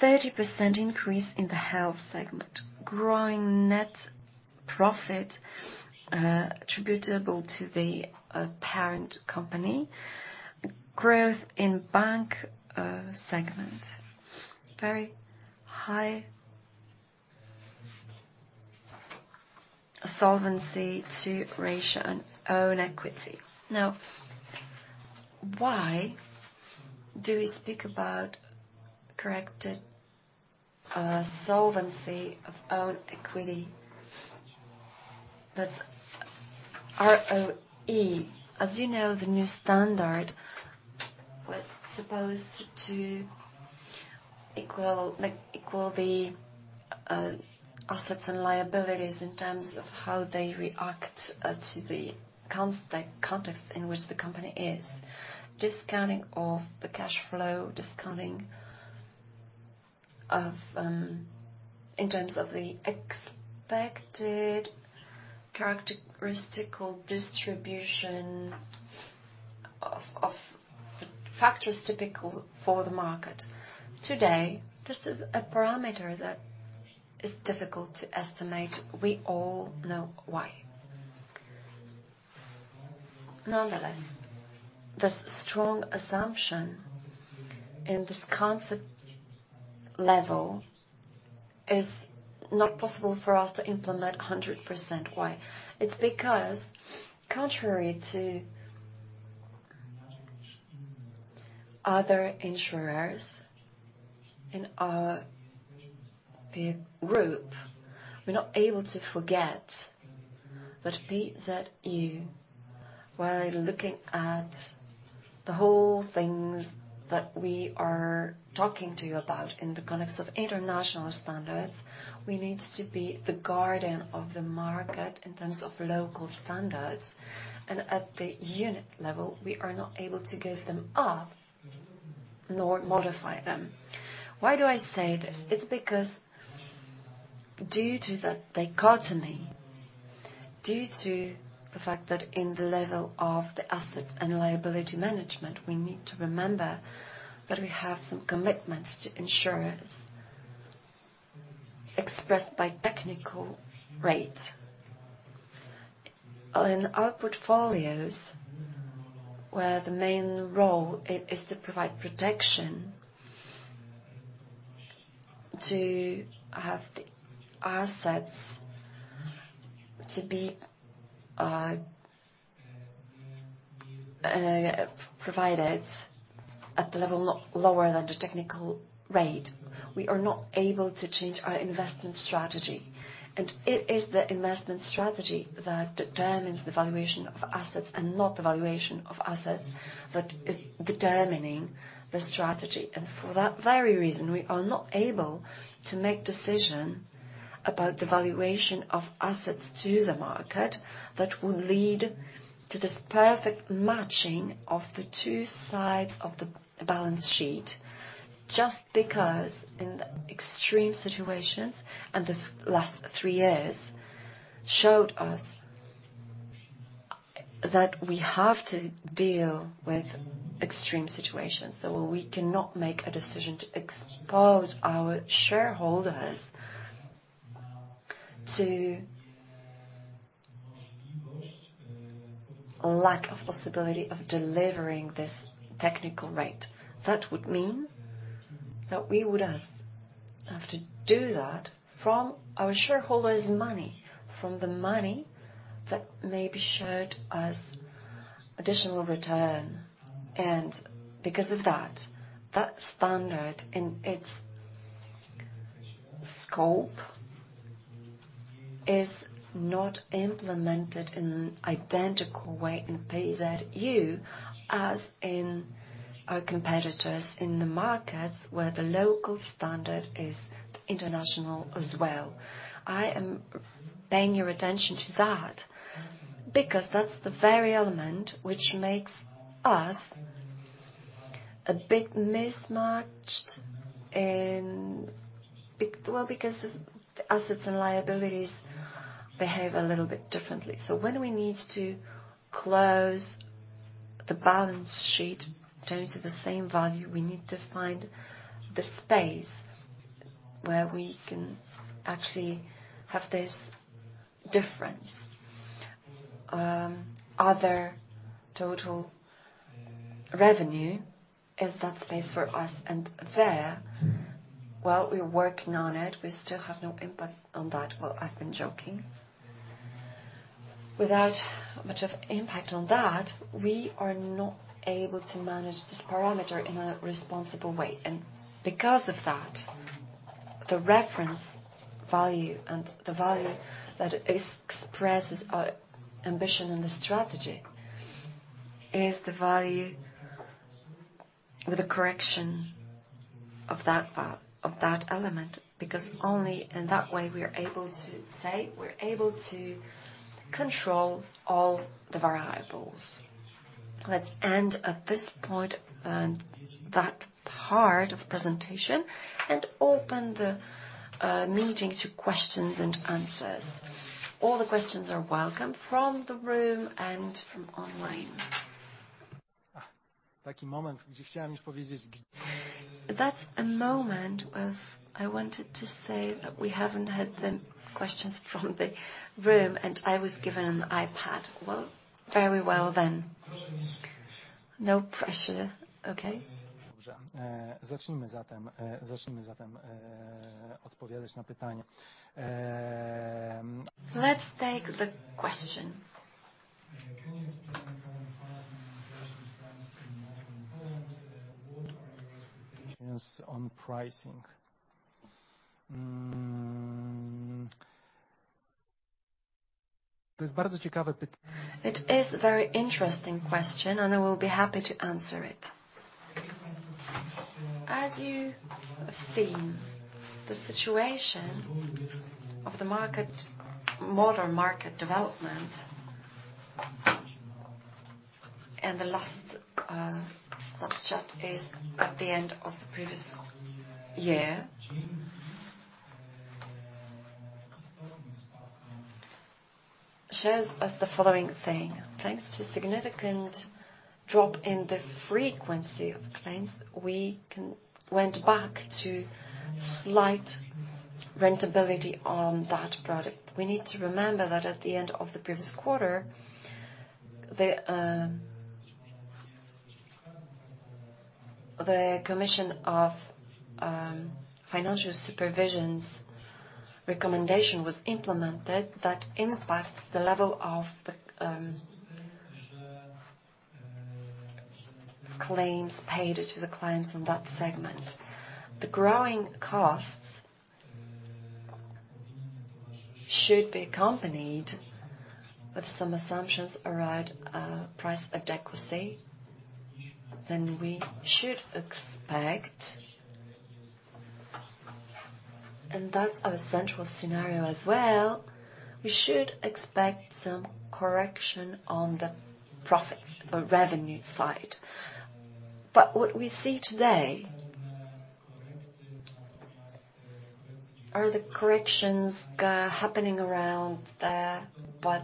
30% increase in the health segment, growing net profit attributable to the parent company. Growth in bank segment. Very high Solvency II ratio and own equity. Why do we speak about corrected solvency of own equity? That's ROE. As you know, the new standard was supposed to equal, like, equal the assets and liabilities in terms of how they react to the context in which the company is discounting of the cash flow, discounting of in terms of the expected characteristic distribution of the factors typical for the market. Today, this is a parameter that is difficult to estimate. We all know why. Nonetheless, this strong assumption in this concept level is not possible for us to implement 100%. Why? It's because contrary to other insurers in our view group, we're not able to forget that PZU, while looking at the whole things that we are talking to you about in the context of international standards, we need to be the guardian of the market in terms of local standards, and at the unit level, we are not able to give them up, nor modify them. Why do I say this? It's because due to the dichotomy, due to the fact that in the level of the asset and liability management, we need to remember that we have some commitments to insurers expressed by technical rates. Well, in our portfolios, where the main role is to provide protection, to have the assets to be provided at the level lower than the technical rate, we are not able to change our investment strategy. It is the investment strategy that determines the valuation of assets and not the valuation of assets, that is determining the strategy. For that very reason, we are not able to make decisions about the valuation of assets to the market, that will lead to this perfect matching of the two sides of the balance sheet, just because in the extreme situations, and the last three years showed us that we have to deal with extreme situations. We cannot make a decision to expose our shareholders to lack of possibility of delivering this technical rate. That would mean we would have to do that from our shareholders' money, from the money that maybe should as additional return. Because of that standard in its scope is not implemented in identical way in PZU, as in our competitors in the markets where the local standard is international as well. I am paying your attention to that, because that's the very element which makes us a bit mismatched and well, because the assets and liabilities behave a little bit differently. When we need to close the balance sheet down to the same value, we need to find the space where we can actually have this difference. Other total revenue is that space for us, and there, well, we're working on it, we still have no impact on that. Well, I've been joking. Without much of impact on that, we are not able to manage this parameter in a responsible way, and because of that, the reference value and the value that expresses our ambition in the strategy, is the value with a correction of that element, because only in that way we are able to say we're able to control all the variables. Let's end at this point, that part of the presentation and open the meeting to questions and answers. All the questions are welcome from the room and from online. That's a moment of I wanted to say that we haven't had the questions from the room, and I was given an iPad. Well, very well then. No pressure. Okay. Let's take the question. Can you explain current pricing trends in motor Poland, what are your expectations on pricing? It is a very interesting question. I will be happy to answer it. As you have seen, the situation of the modern market development, the last chart is at the end of the previous year. Shows us the following thing: thanks to significant drop in the frequency of claims, we went back to slight rentability on that product. We need to remember that at the end of the previous quarter, the commission of financial supervisions recommendation was implemented that impacts the level of the claims paid to the clients on that segment. The growing costs should be accompanied with some assumptions around price adequacy, then we should expect, and that's our central scenario as well, some correction on the profits or revenue side. What we see today, are the corrections happening around there, but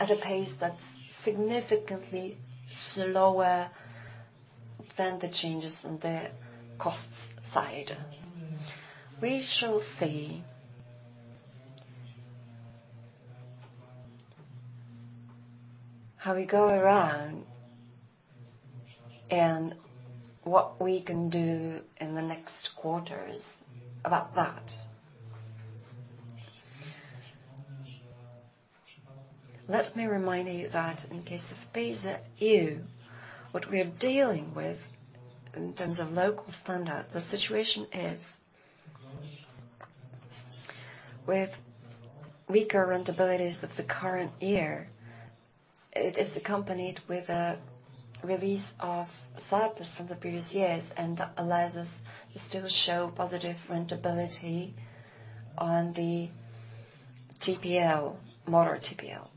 at a pace that's significantly slower than the changes in the costs side. We shall see how we go around and what we can do in the next quarters about that. Let me remind you that in case of PZU, what we are dealing with in terms of local standard, the situation is with weaker rentabilities of the current year, it is accompanied with a release of surplus from the previous years, and that allows us to still show positive rentability on the TPL, motor TPL.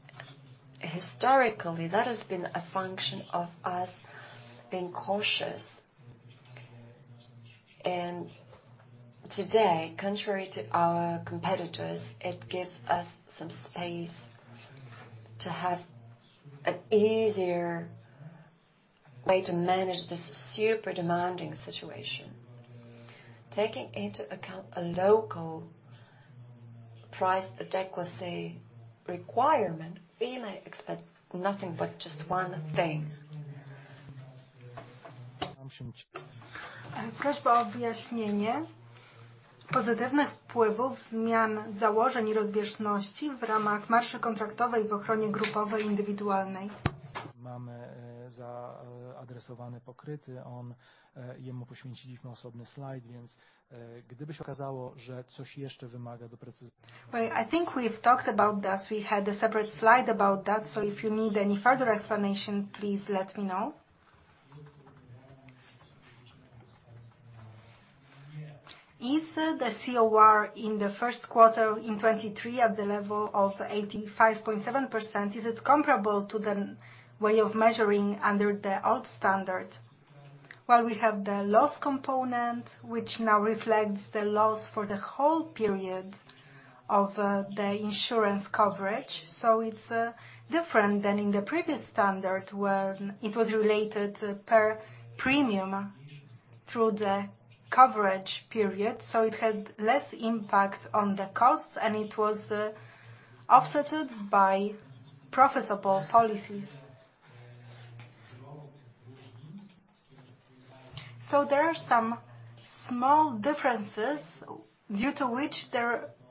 Historically, that has been a function of us being cautious. Today, contrary to our competitors, it gives us some space to have an easier way to manage this super demanding situation. Taking into account a local price adequacy requirement, we may expect nothing but just one thing. Well, I think we've talked about that. We had a separate slide about that, so if you need any further explanation, please let me know. Is the COR in the first quarter in 2023 at the level of 85.7%, is it comparable to the way of measuring under the old standard? Well, we have the loss component, which now reflects the loss for the whole period of the insurance coverage. It's different than in the previous standard, when it was related to per premium through the coverage period. It had less impact on the costs, and it was offsetted by profitable policies. There are some small differences due to which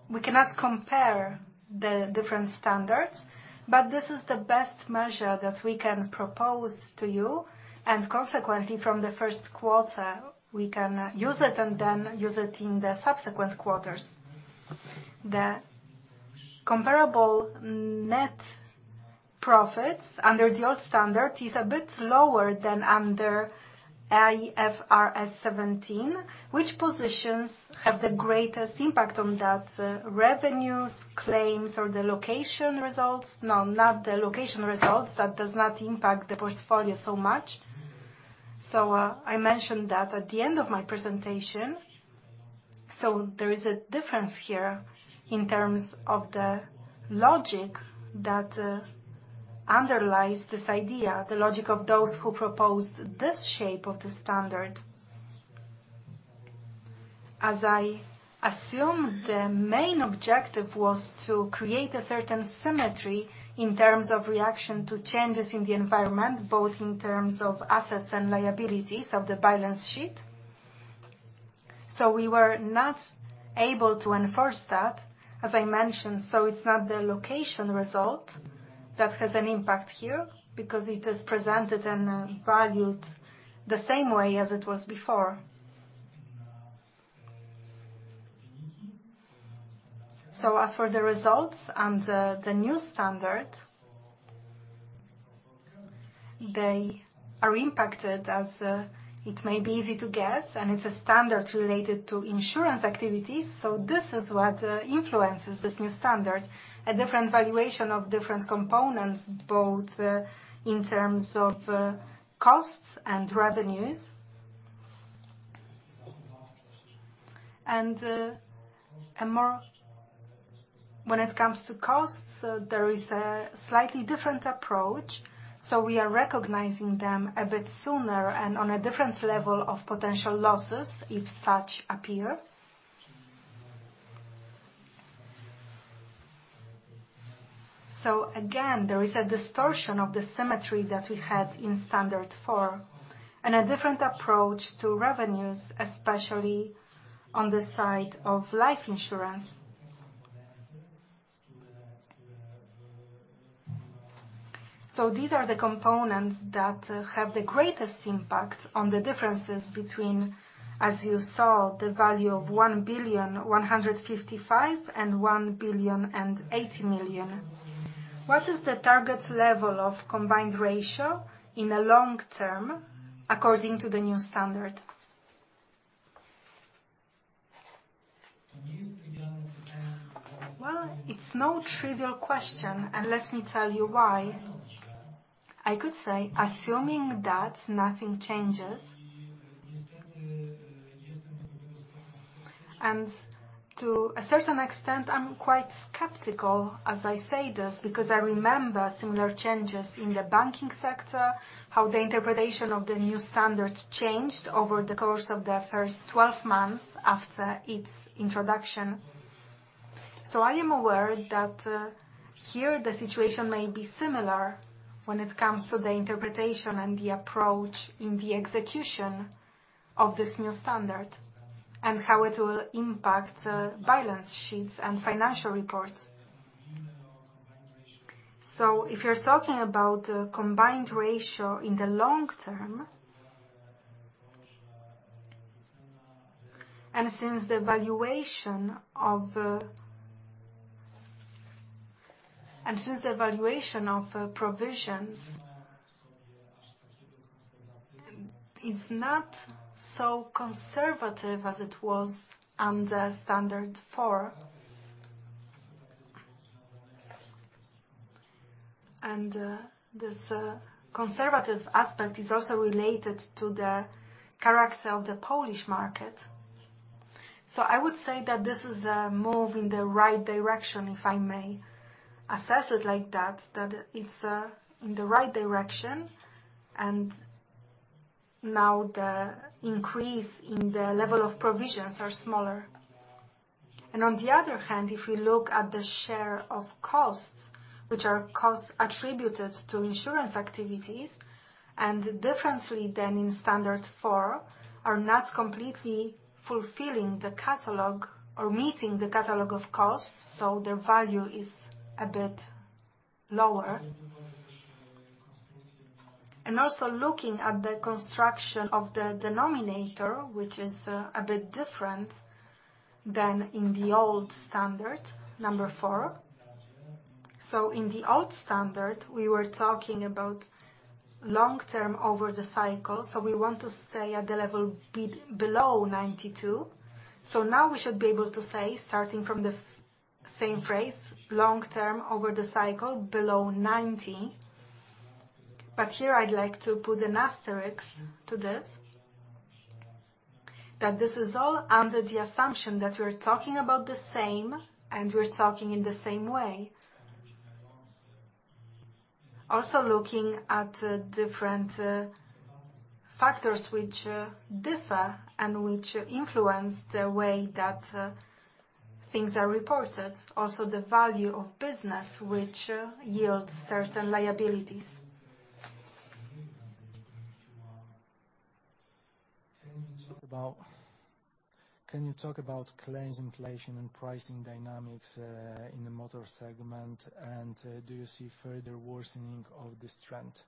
we cannot compare the different standards, but this is the best measure that we can propose to you, and consequently, from the first quarter, we can use it and then use it in the subsequent quarters. The comparable net profits under the old standard is a bit lower than under IFRS 17. Which positions have the greatest impact on that? Revenues, claims, or the location results? No, not the location results. That does not impact the portfolio so much. I mentioned that at the end of my presentation. There is a difference here in terms of the logic that underlies this idea, the logic of those who proposed this shape of the standard. As I assume, the main objective was to create a certain symmetry in terms of reaction to changes in the environment, both in terms of assets and liabilities of the balance sheet. We were not able to enforce that, as I mentioned, it's not the location result that has an impact here, because it is presented and valued the same way as it was before. As for the results under the new standard, they are impacted as it may be easy to guess, and it's a standard related to insurance activities. This is what influences this new standard, a different valuation of different components, both in terms of costs and revenues. More when it comes to costs, there is a slightly different approach, so we are recognizing them a bit sooner and on a different level of potential losses, if such appear. Again, there is a distortion of the symmetry that we had in standard four and a different approach to revenues, especially on the side of life insurance. These are the components that have the greatest impact on the differences between, as you saw, the value of 1.155 billion and 1.80 billion. What is the target level of combined ratio in the long term, according to the new standard? Well, it's no trivial question, and let me tell you why. I could say, assuming that nothing changes... To a certain extent, I'm quite skeptical as I say this, because I remember similar changes in the banking sector, how the interpretation of the new standard changed over the course of the first 12 months after its introduction. I am aware that here the situation may be similar when it comes to the interpretation and the approach in the execution of this new standard and how it will impact balance sheets and financial reports. If you're talking about combined ratio in the long term, and since the valuation of provisions is not so conservative as it was under standard four, this conservative aspect is also related to the character of the Polish market. I would say that this is a move in the right direction, if I may assess it like that it's in the right direction, and now the increase in the level of provisions are smaller. On the other hand, if we look at the share of costs, which are costs attributed to insurance activities, and differently than in standard four, are not completely fulfilling the catalog or meeting the catalog of costs, so their value is a bit lower. Looking at the construction of the denominator, which is a bit different than in the old standard, number four. In the old standard, we were talking about long-term over the cycle, so we want to stay at the level below 92%. Now we should be able to say, starting from the same phrase, long-term over the cycle below 90. Here I'd like to put an asterisk to this, that this is all under the assumption that we're talking about the same, and we're talking in the same way. Also, looking at different factors which differ and which influence the way that things are reported, also the value of business which yields certain liabilities. Can you talk about claims inflation and pricing dynamics in the motor segment, and do you see further worsening of this trend?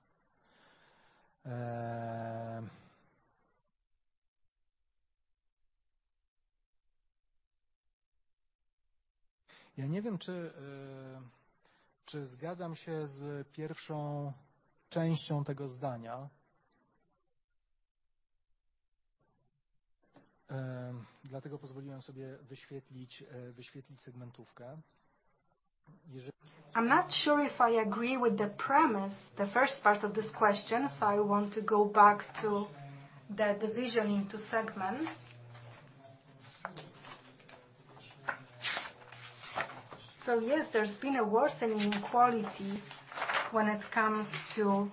I'm not sure if I agree with the premise, the first part of this question, so I want to go back to the division into segments. Yes, there's been a worsening quality when it comes to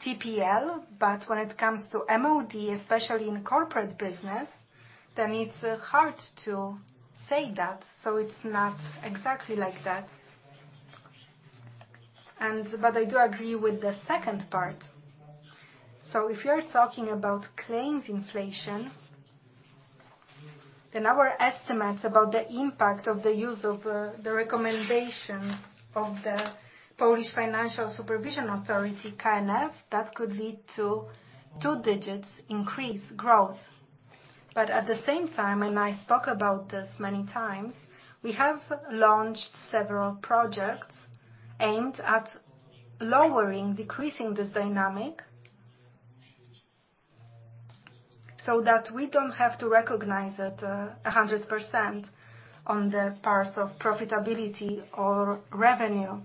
TPL, but when it comes to MOD, especially in corporate business, then it's hard to say that. It's not exactly like that. I do agree with the second part. If you're talking about claims inflation, then our estimates about the impact of the use of the recommendations of the Polish Financial Supervision Authority, KNF, that could lead to two digits increase growth. At the same time, and I spoke about this many times, we have launched several projects aimed at lowering, decreasing this dynamic, so that we don't have to recognize it 100% on the parts of profitability or revenue.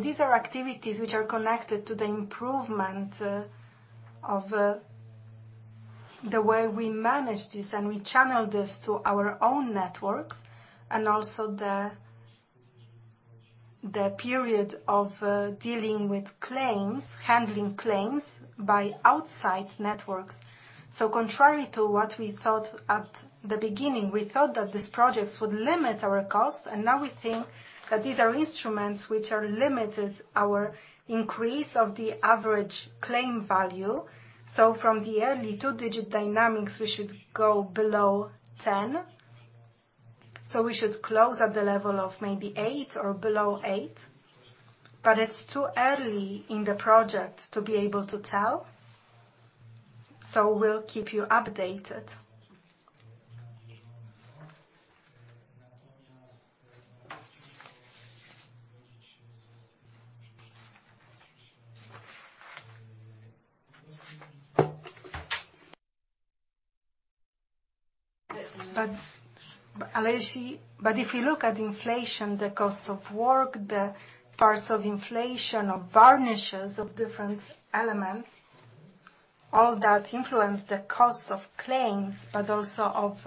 These are activities which are connected to the improvement of the way we manage this, and we channel this to our own networks, and also the period of dealing with claims, handling claims by outside networks. Contrary to what we thought at the beginning, we thought that these projects would limit our costs, and now we think that these are instruments which are limited our increase of the average claim value. From the early two-digit dynamics, we should go below 10. We should close at the level of maybe eight or below eight, but it's too early in the project to be able to tell, so we'll keep you updated. Allegedly, if you look at inflation, the cost of work, the parts of inflation, of varnishes, of different elements, all that influence the cost of claims, but also of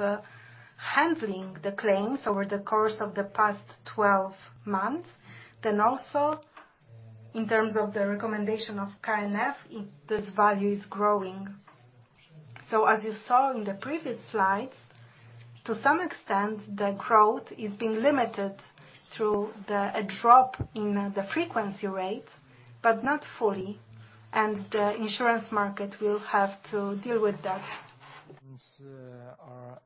handling the claims over the course of the past 12 months. Also, in terms of the recommendation of KNF, if this value is growing. As you saw in the previous slides, to some extent, the growth is being limited through a drop in the frequency rate, but not fully, and the insurance market will have to deal with that. Are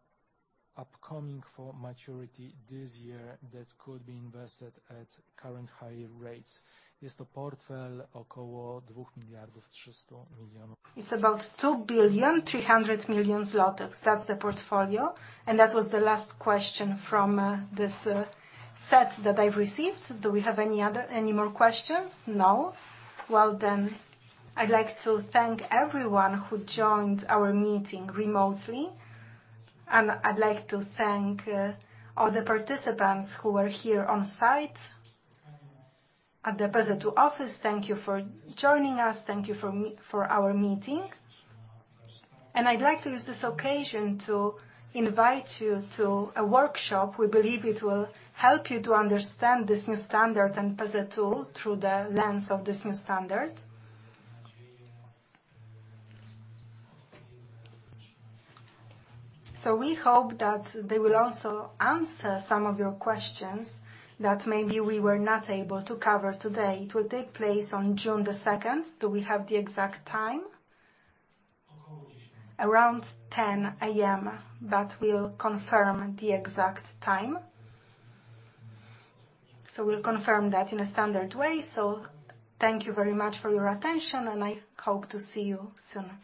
upcoming for maturity this year that could be invested at current higher rates? It's about 2.3 billion. That's the portfolio, and that was the last question from this set that I've received. Do we have any other, any more questions? No. Well, I'd like to thank everyone who joined our meeting remotely, and I'd like to thank all the participants who are here on site at the PZU office. Thank you for joining us. Thank you for our meeting. I'd like to use this occasion to invite you to a workshop. We believe it will help you to understand this new standard and PZU through the lens of this new standard. We hope that they will also answer some of your questions that maybe we were not able to cover today. It will take place on June 2nd. Do we have the exact time? Around 10. Around 10:00 A.M., but we'll confirm the exact time. We'll confirm that in a standard way. Thank you very much for your attention, and I hope to see you soon.